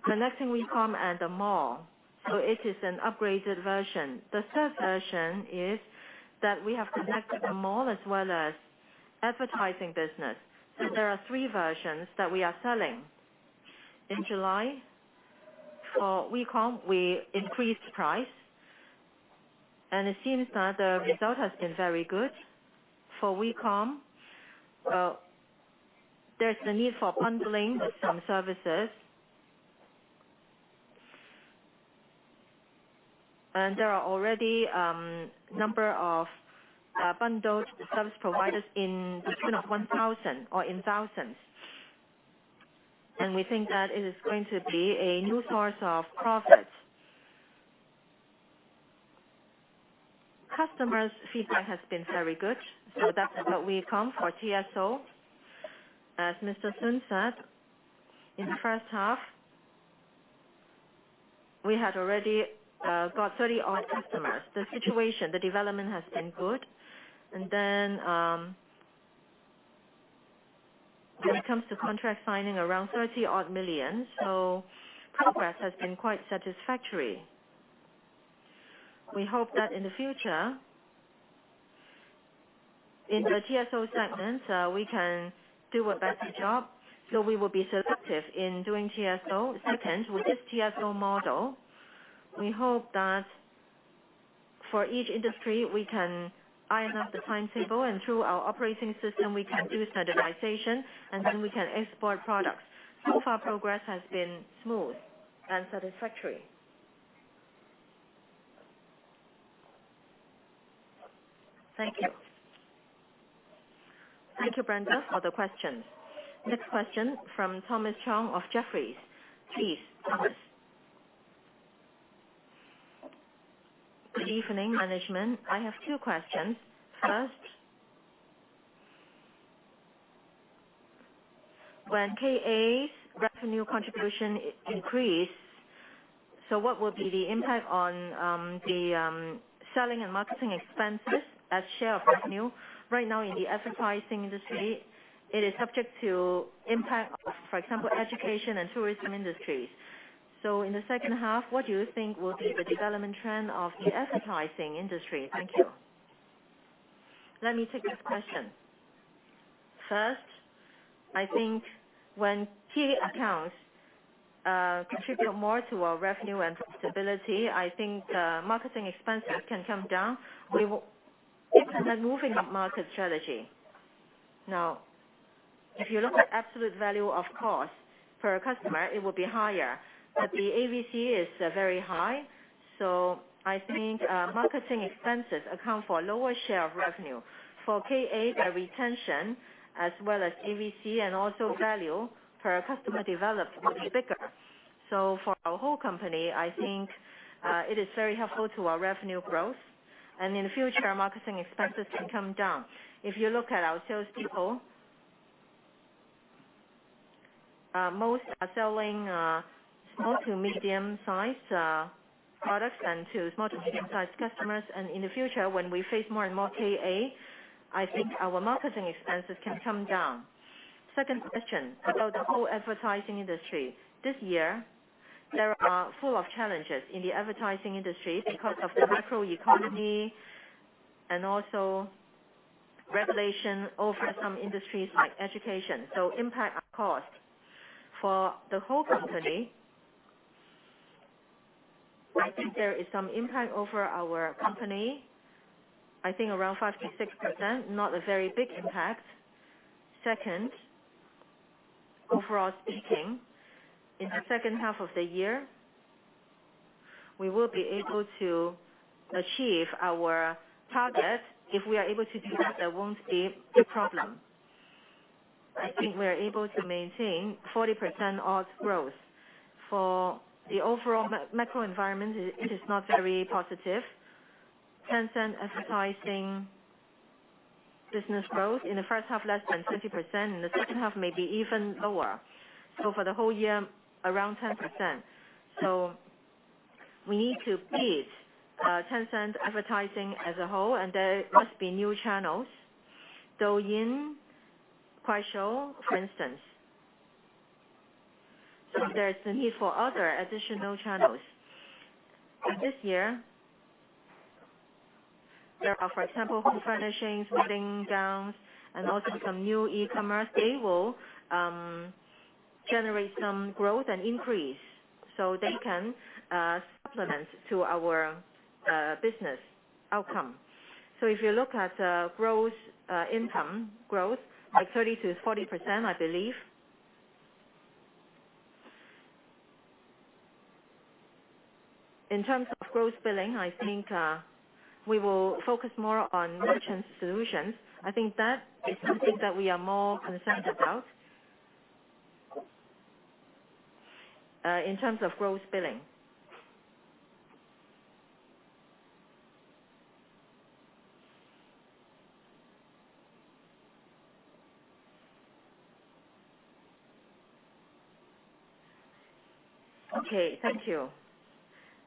connecting WeCom and the mall. It is an upgraded version. The third version is that we have connected the mall as well as advertising business. There are three versions that we are selling. In July, for WeCom, we increased price. It seems that the result has been very good. For WeCom, there's the need for bundling some services. There are already number of bundled service providers in between of 1,000 or in thousands. We think that it is going to be a new source of profit. Customers' feedback has been very good. That's about WeCom. For TSO, as Mr. Sun said, in the first half, we had already got 30-odd customers. The situation, the development has been good. When it comes to contract signing, around 30-odd million. Progress has been quite satisfactory. We hope that in the future, in the TSO segment, we can do a better job. We will be selective in doing TSO segment. With this TSO model, we hope that for each industry, we can iron out the timetable, and through our operating system, we can do standardization, and then we can export products. So far, progress has been smooth and satisfactory. Thank you. Thank you, Brenda, for the questions. Next question from Thomas Chong of Jefferies. Please, Thomas. Good evening, management. I have two questions. First, when KAs revenue contribution increase, so what will be the impact on the selling and marketing expenses as share of revenue? Right now in the advertising industry, it is subject to impact of, for example, education and tourism industries. In the second half, what do you think will be the development trend of the advertising industry? Thank you. Let me take this question. First, I think when key accounts contribute more to our revenue and profitability, I think the marketing expenses can come down. We will implement moving market strategy. If you look at absolute value, of course, per customer, it will be higher, but the AVC is very high. I think marketing expenses account for a lower share of revenue. For KA by retention as well as AVC and also value per customer developed will be bigger. For our whole company, I think it is very helpful to our revenue growth, and in the future, our marketing expenses can come down. If you look at our sales people, most are selling small to medium-sized products and to small to medium-sized customers. In the future, when we face more and more KA, I think our marketing expenses can come down. Second question about the whole advertising industry. This year, there are full of challenges in the advertising industry because of the macroeconomy and also regulation over some industries like education, so impact our cost. For the whole company, I think there is some impact over our company. I think around 5%-6%, not a very big impact. Second, overall speaking, in the second half of the year, we will be able to achieve our target. If we are able to do that, there won't be a problem. I think we are able to maintain 40% odds growth. For the overall macro environment, it is not very positive. Tencent advertising business growth in the first half less than 30%, in the second half maybe even lower. For the whole year, around 10%. We need to beat Tencent advertising as a whole, and there must be new channels. Douyin, Kuaishou, for instance. There's the need for other additional channels. This year, there are, for example, home furnishings, bedding, gowns, and also some new e-commerce. They will generate some growth and increase, they can supplement to our business outcome. If you look at growth income growth, like 30%-40%, I believe. In terms of growth billing, I think we will focus more on merchant solutions. I think that is something that we are more concerned about, in terms of growth billing. Okay, thank you.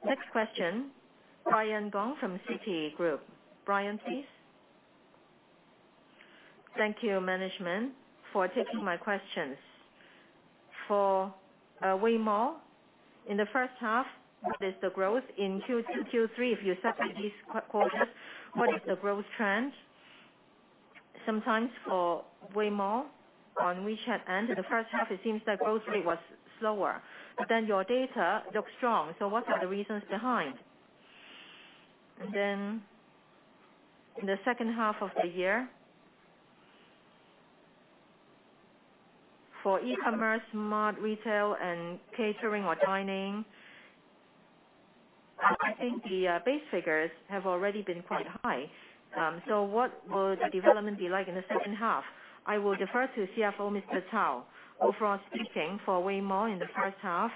Next question, Brian Gong from Citigroup. Brian, please. Thank you, management, for taking my questions. For Weimob, in the first half, what is the growth in Q2, Q3? If you separate these quarters, what is the growth trend? Sometimes for Weimob, on WeChat end, in the first half, it seems that growth rate was slower, your data looks strong. What are the reasons behind? In the second half of the year, for e-commerce, Smart Retail, and catering or dining, I think the base figures have already been quite high. What will the development be like in the second half? I will defer to CFO, Mr. Cao. Overall speaking, for Weimob in the first half,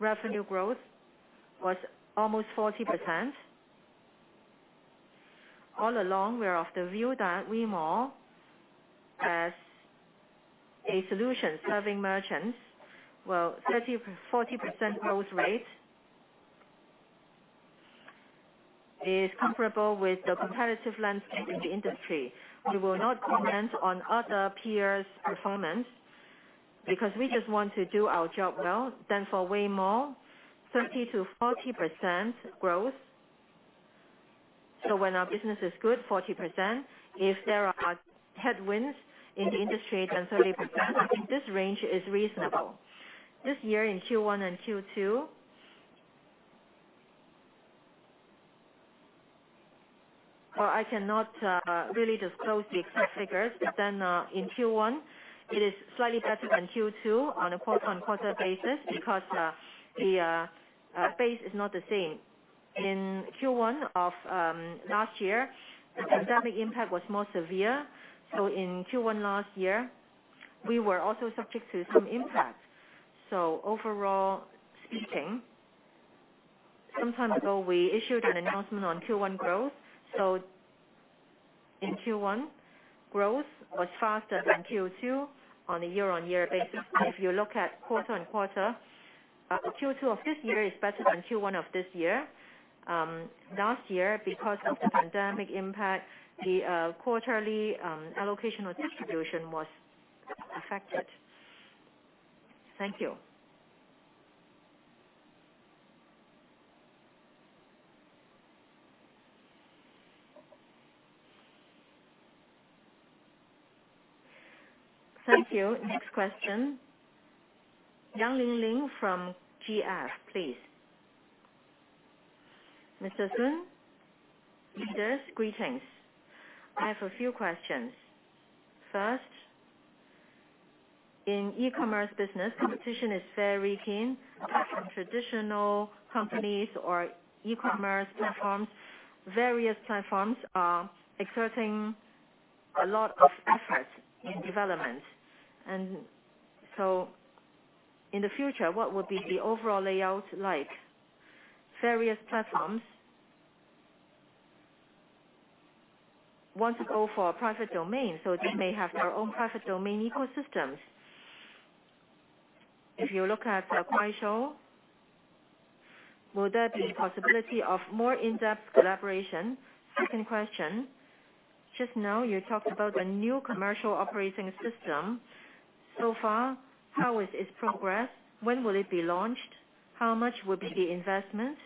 revenue growth was almost 40%. All along, we are of the view that Weimob as a solution serving merchants, well, 30%, 40% growth rate is comparable with the competitive landscape in the industry. We will not comment on other peers' performance because we just want to do our job well. For Weimob, 30%-40% growth. When our business is good, 40%. If there are headwinds in the industry, then 30%. I think this range is reasonable. This year in Q1 and Q2, well, I cannot really disclose the exact figures, but then in Q1, it is slightly better than Q2 on a quarter-on-quarter basis because the base is not the same. In Q1 of last year, the pandemic impact was more severe. In Q1 last year, we were also subject to some impact. Overall speaking, some time ago, we issued an announcement on Q1 growth. In Q1, growth was faster than Q2 on a year-on-year basis. You look at quarter-on-quarter, Q2 of this year is better than Q1 of this year. Last year, because of the pandemic impact, the quarterly allocation or distribution was affected. Thank you. Thank you. Next question, Yang Linlin from GF, please. Mr. Sun, leaders, greetings. I have a few questions. First, in e-commerce business, competition is very keen from traditional companies or e-commerce platforms. Various platforms are exerting a lot of effort in development. In the future, what would be the overall layout like? Various platforms want to go for a private domain, so they may have their own private domain ecosystems. If you look at Kuaishou, will there be a possibility of more in-depth collaboration? Second question, just now you talked about the new commercial operating system. So far, how is its progress? When will it be launched? How much will be the investment?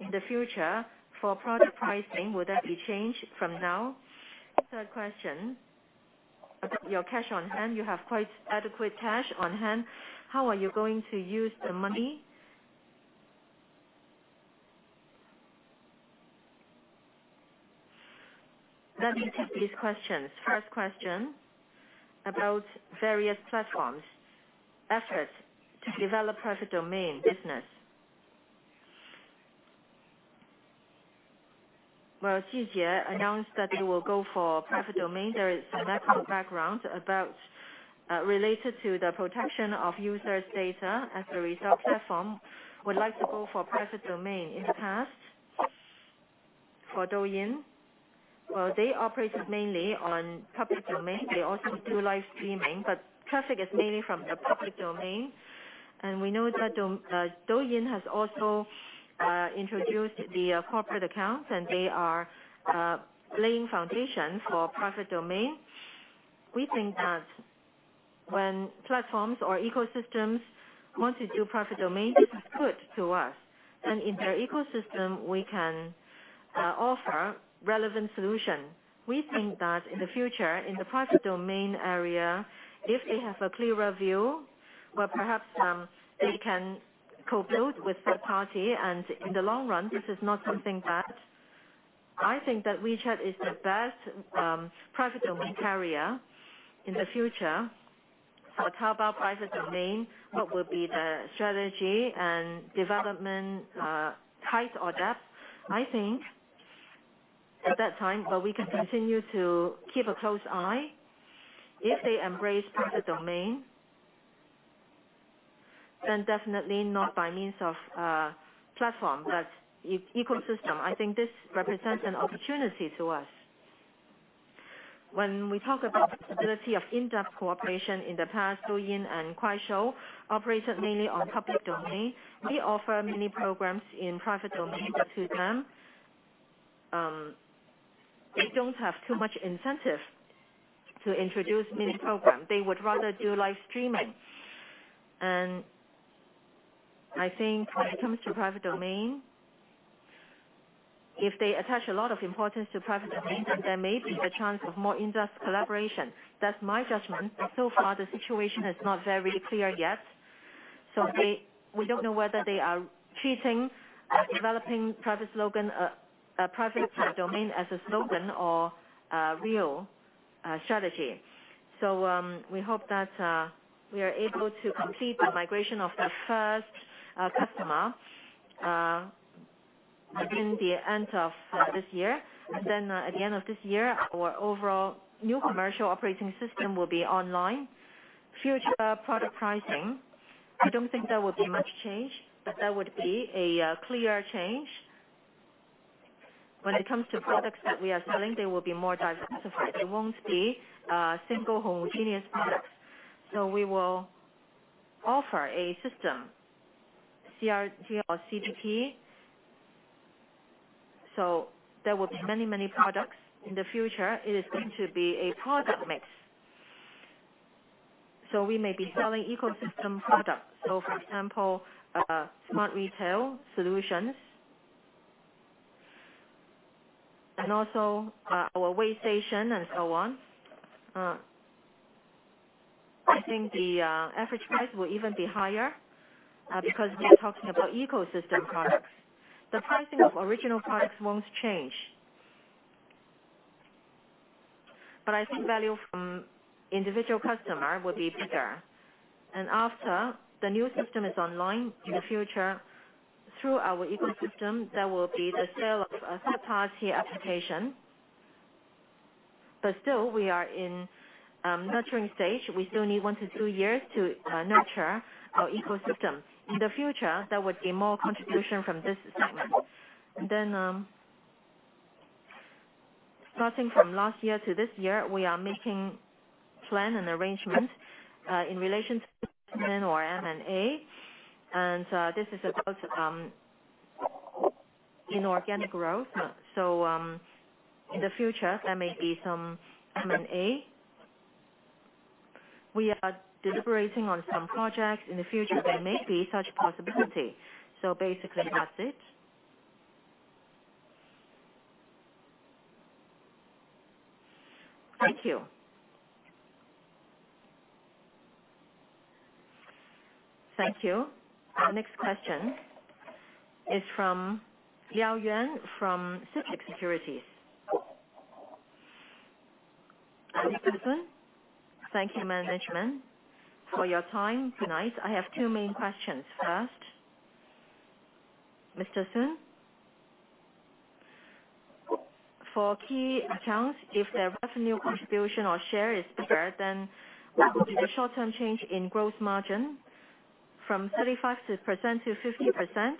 In the future, for product pricing, will that be changed from now? Third question, about your cash on hand. You have quite adequate cash on hand. How are you going to use the money? Let me take these questions. First question, about various platforms' efforts to develop private domain business. Well, Xinje announced that they will go for private domain. There is some macro background related to the protection of users' data. Platforms would like to go for private domain. In the past, for Douyin, they operated mainly on public domain. They also do live streaming, traffic is mainly from the public domain. We know that Douyin has also introduced the corporate accounts, and they are laying foundation for private domain. We think that when platforms or ecosystems want to do private domain, this is good to us. In their ecosystem, we can offer relevant solution. We think that in the future, in the private domain area, if they have a clearer view, well, perhaps they can co-build with third party, and in the long run, this is not something bad. I think that WeChat is the best private domain carrier. In the future, for Taobao private domain, what will be the strategy and development height or depth? I think at that time, well, we can continue to keep a close eye. If they embrace private domain, definitely not by means of platform, but ecosystem. I think this represents an opportunity to us. When we talk about the possibility of in-depth cooperation, in the past, Douyin and Kuaishou operated mainly on public domain. We offer mini programs in private domain to them. They don't have too much incentive to introduce mini program. They would rather do live streaming. I think when it comes to private domain, if they attach a lot of importance to private domain, there may be the chance of more in-depth collaboration. That's my judgment, so far, the situation is not very clear yet. We don't know whether they are treating or developing private domain as a slogan or a real strategy. We hope that we are able to complete the migration of the first customer within the end of this year. At the end of this year, our overall new commercial operating system will be online. Future product pricing, I don't think there will be much change. There would be a clear change. When it comes to products that we are selling, they will be more diversified. They won't be single homogeneous products. We will offer a system, CRM or CDP, there will be many products. In the future, it is going to be a product mix. We may be selling ecosystem products. For example, Smart Retail solutions, and also our Wei Station and so on. I think the average price will even be higher, because we are talking about ecosystem products. The pricing of original products won't change. I think value from individual customer will be bigger. After the new system is online, in the future, through our ecosystem, there will be the sale of a third-party application. Still, we are in nurturing stage. We still need one to two years to nurture our ecosystem. In the future, there would be more contribution from this segment. Starting from last year to this year, we are making plan and arrangements in relation to investment or M&A. This is about inorganic growth. In the future, there may be some M&A. We are deliberating on some projects. In the future, there may be such possibility. Basically, that's it. Thank you. Thank you. The next question is from Liao Yuan from CITIC Securities. Mr. Sun. Thank you, management, for your time tonight. I have two main questions. First, Mr. Sun, for key accounts, if their revenue contribution or share is bigger, then what will be the short-term change in gross margin from 35% to 50%?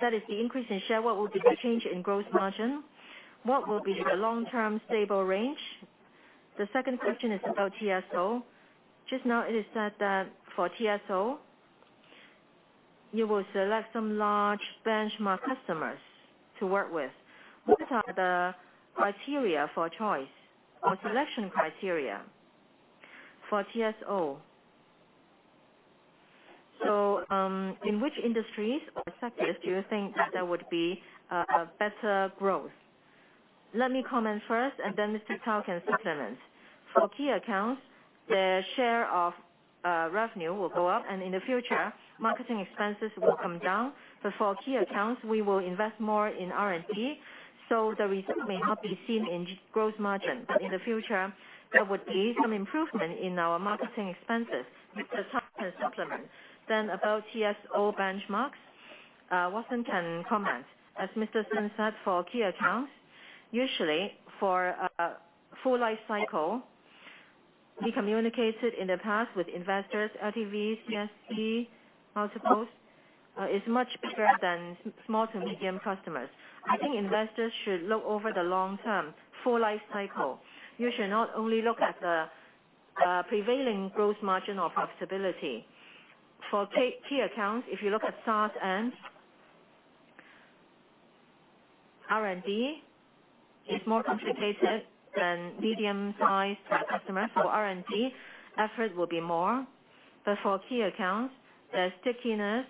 That is the increase in share, what will be the change in gross margin? What will be the long-term stable range? Second question is about TSO. Just now it is said that for TSO, you will select some large benchmark customers to work with. What are the criteria for choice or selection criteria for TSO? In which industries or sectors do you think that there would be a better growth? Let me comment first and then Mr. Cao can supplement. For key accounts, their share of revenue will go up, and in the future, marketing expenses will come down. For key accounts, we will invest more in R&D, so the result may not be seen in gross margin. In the future, there would be some improvement in our marketing expenses. Mr. Cao can supplement. About TSO benchmarks, Watson can comment. As Mr. Sun said, for key accounts, usually for a full life cycle, we communicated in the past with investors, LTV, CAC, multiples, is much bigger than small to medium customers. I think investors should look over the long term, full life cycle. You should not only look at the prevailing gross margin or profitability. For key accounts, if you look at start and R&D is more complicated than medium-sized customers, so R&D effort will be more. For key accounts, the stickiness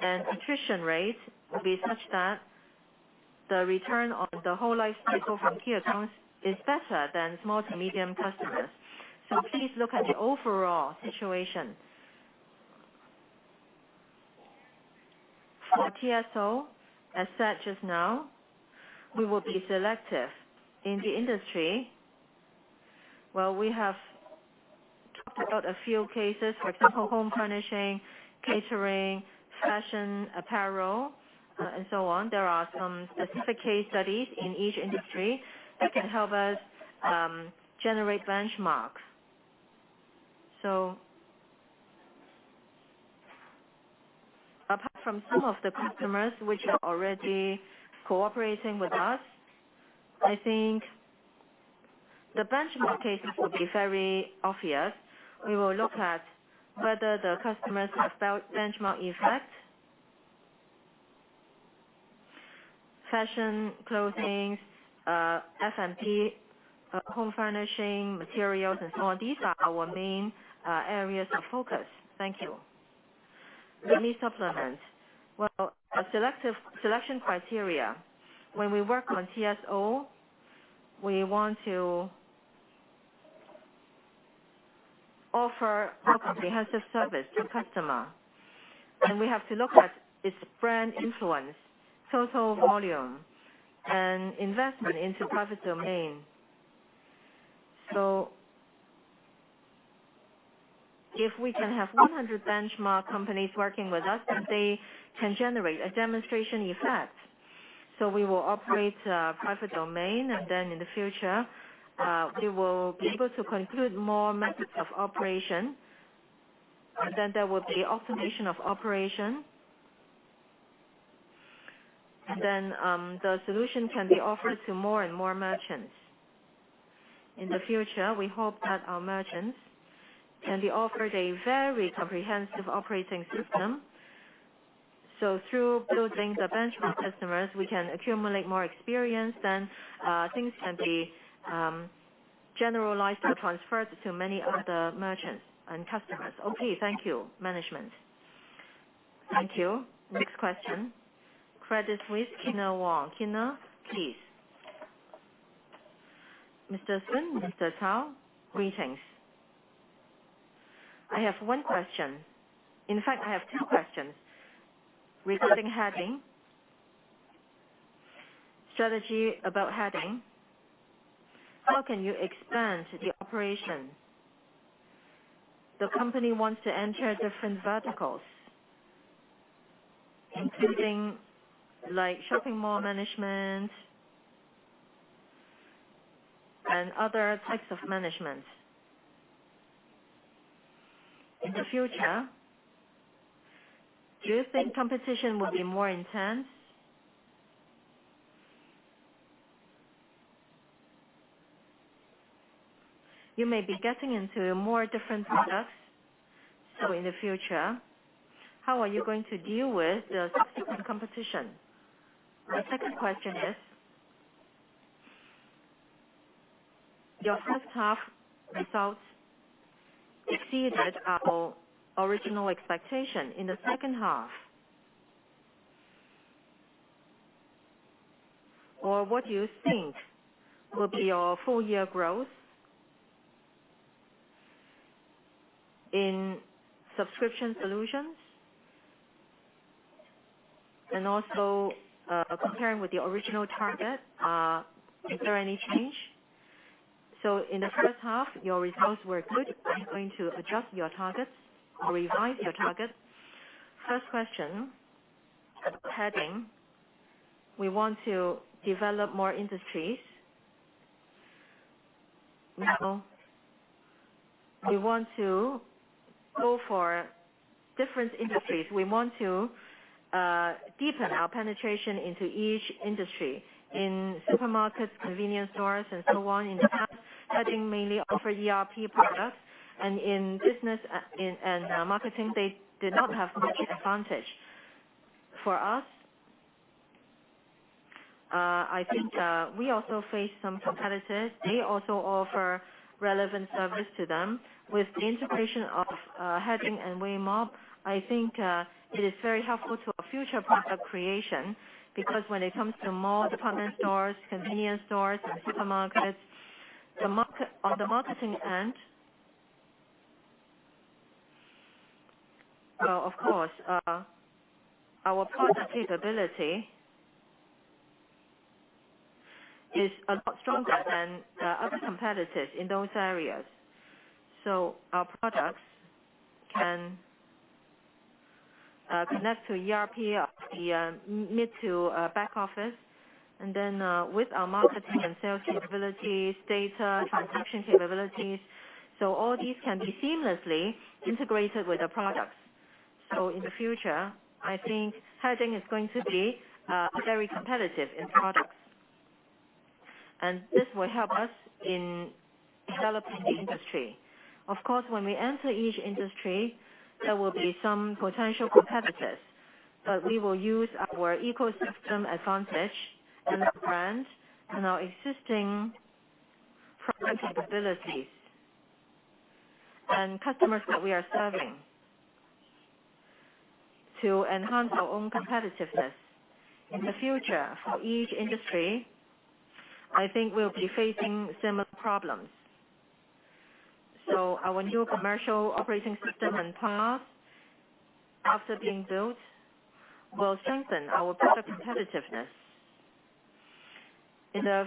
and attrition rate will be such that the return on the whole life cycle from key accounts is better than small to medium customers. Please look at the overall situation. For TSO, as said just now, we will be selective in the industry. Well, we have talked about a few cases, for example, home furnishing, catering, fashion, apparel, and so on. There are some specific case studies in each industry that can help us generate benchmarks. Apart from some of the customers which are already cooperating with us, I think the benchmark cases will be very obvious. We will look at whether the customers have benchmark effect. Fashion, clothing, F&B, home furnishing, materials, and so on. These are our main areas of focus. Thank you. Let me supplement. Well, our selection criteria. When we work on TSO, we want to offer a comprehensive service to customer. We have to look at its brand influence, total volume, and investment into private domain. If we can have 100 benchmark companies working with us, they can generate a demonstration effect. We will operate a private domain. In the future, we will be able to conclude more methods of operation. There will be optimization of operation. The solution can be offered to more and more merchants. In the future, we hope that our merchants can be offered a very comprehensive operating system. Through building the benchmark customers, we can accumulate more experience. Things can be generalized or transferred to many other merchants and customers. Okay. Thank you. Management. Thank you. Next question. Credit Suisse, Kyna Wong. Kyna, please. Mr. Sun, Mr. Cao, greetings. I have one question. In fact, I have two questions. Regarding Haiding, strategy about Haiding, how can you expand the operation? The company wants to enter different verticals, including shopping mall management and other types of management. In the future, do you think competition will be more intense? You may be getting into more different products. In the future, how are you going to deal with the subsequent competition? My second question is, your first half results exceeded our original expectation. In the second half, what do you think will be your full year growth in subscription solutions? Also, comparing with your original target, is there any change? In the first half, your results were good. Are you going to adjust your targets or revise your target? First question, Haiding, we want to develop more industries. Now, we want to go for different industries. We want to deepen our penetration into each industry. In supermarkets, convenience stores, and so on. In the past, Haiding mainly offered ERP products, and in business and marketing, they did not have much advantage. For us, I think we also face some competitors. They also offer relevant service to them. With the integration of Haiding and Weimob, I think it is very helpful to our future product creation, because when it comes to mall department stores, convenience stores and supermarkets, on the marketing end, of course, our product capability is a lot stronger than the other competitors in those areas. Our products can connect to ERP of the mid to back office. With our marketing and sales capabilities, data, transaction capabilities, all these can be seamlessly integrated with the products. In the future, I think Haiding is going to be very competitive in products. This will help us in developing the industry. Of course, when we enter each industry, there will be some potential competitors. We will use our ecosystem advantage and our brand and our existing product capabilities and customers that we are serving to enhance our own competitiveness. In the future, for each industry, I think we'll be facing similar problems. Our new commercial operating system and PaaS, after being built, will strengthen our product competitiveness. In the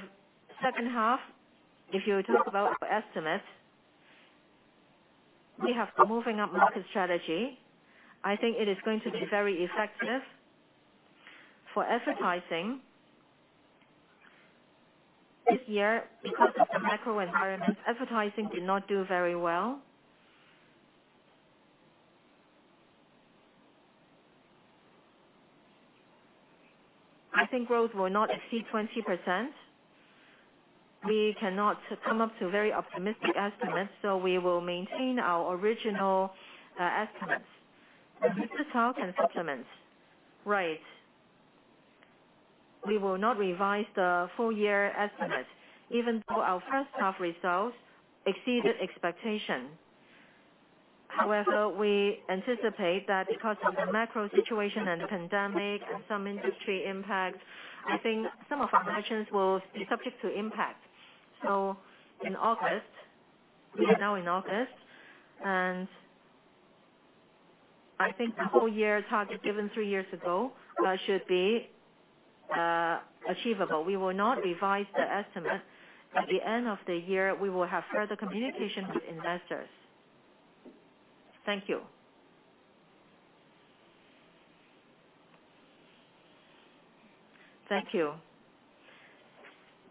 second half, if you talk about our estimate, we have the moving up market strategy. I think it is going to be very effective. For advertising, this year, because of the macro environment, advertising did not do very well. I think growth will not exceed 20%. We cannot come up to very optimistic estimates, so we will maintain our original estimates. Mr. Cao can supplement. Right. We will not revise the full-year estimate, even though our first half results exceeded expectation. We anticipate that because of the macro situation and pandemic and some industry impact, I think some of our measures will be subject to impact. In August, we are now in August, and I think the whole year's target given three years ago should be achievable. We will not revise the estimate. At the end of the year, we will have further communication with investors. Thank you. Thank you.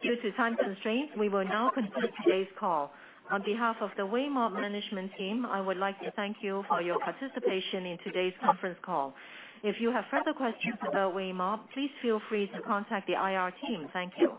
Due to time constraints, we will now conclude today's call. On behalf of the Weimob management team, I would like to thank you for your participation in today's conference call. If you have further questions about Weimob, please feel free to contact the IR team. Thank you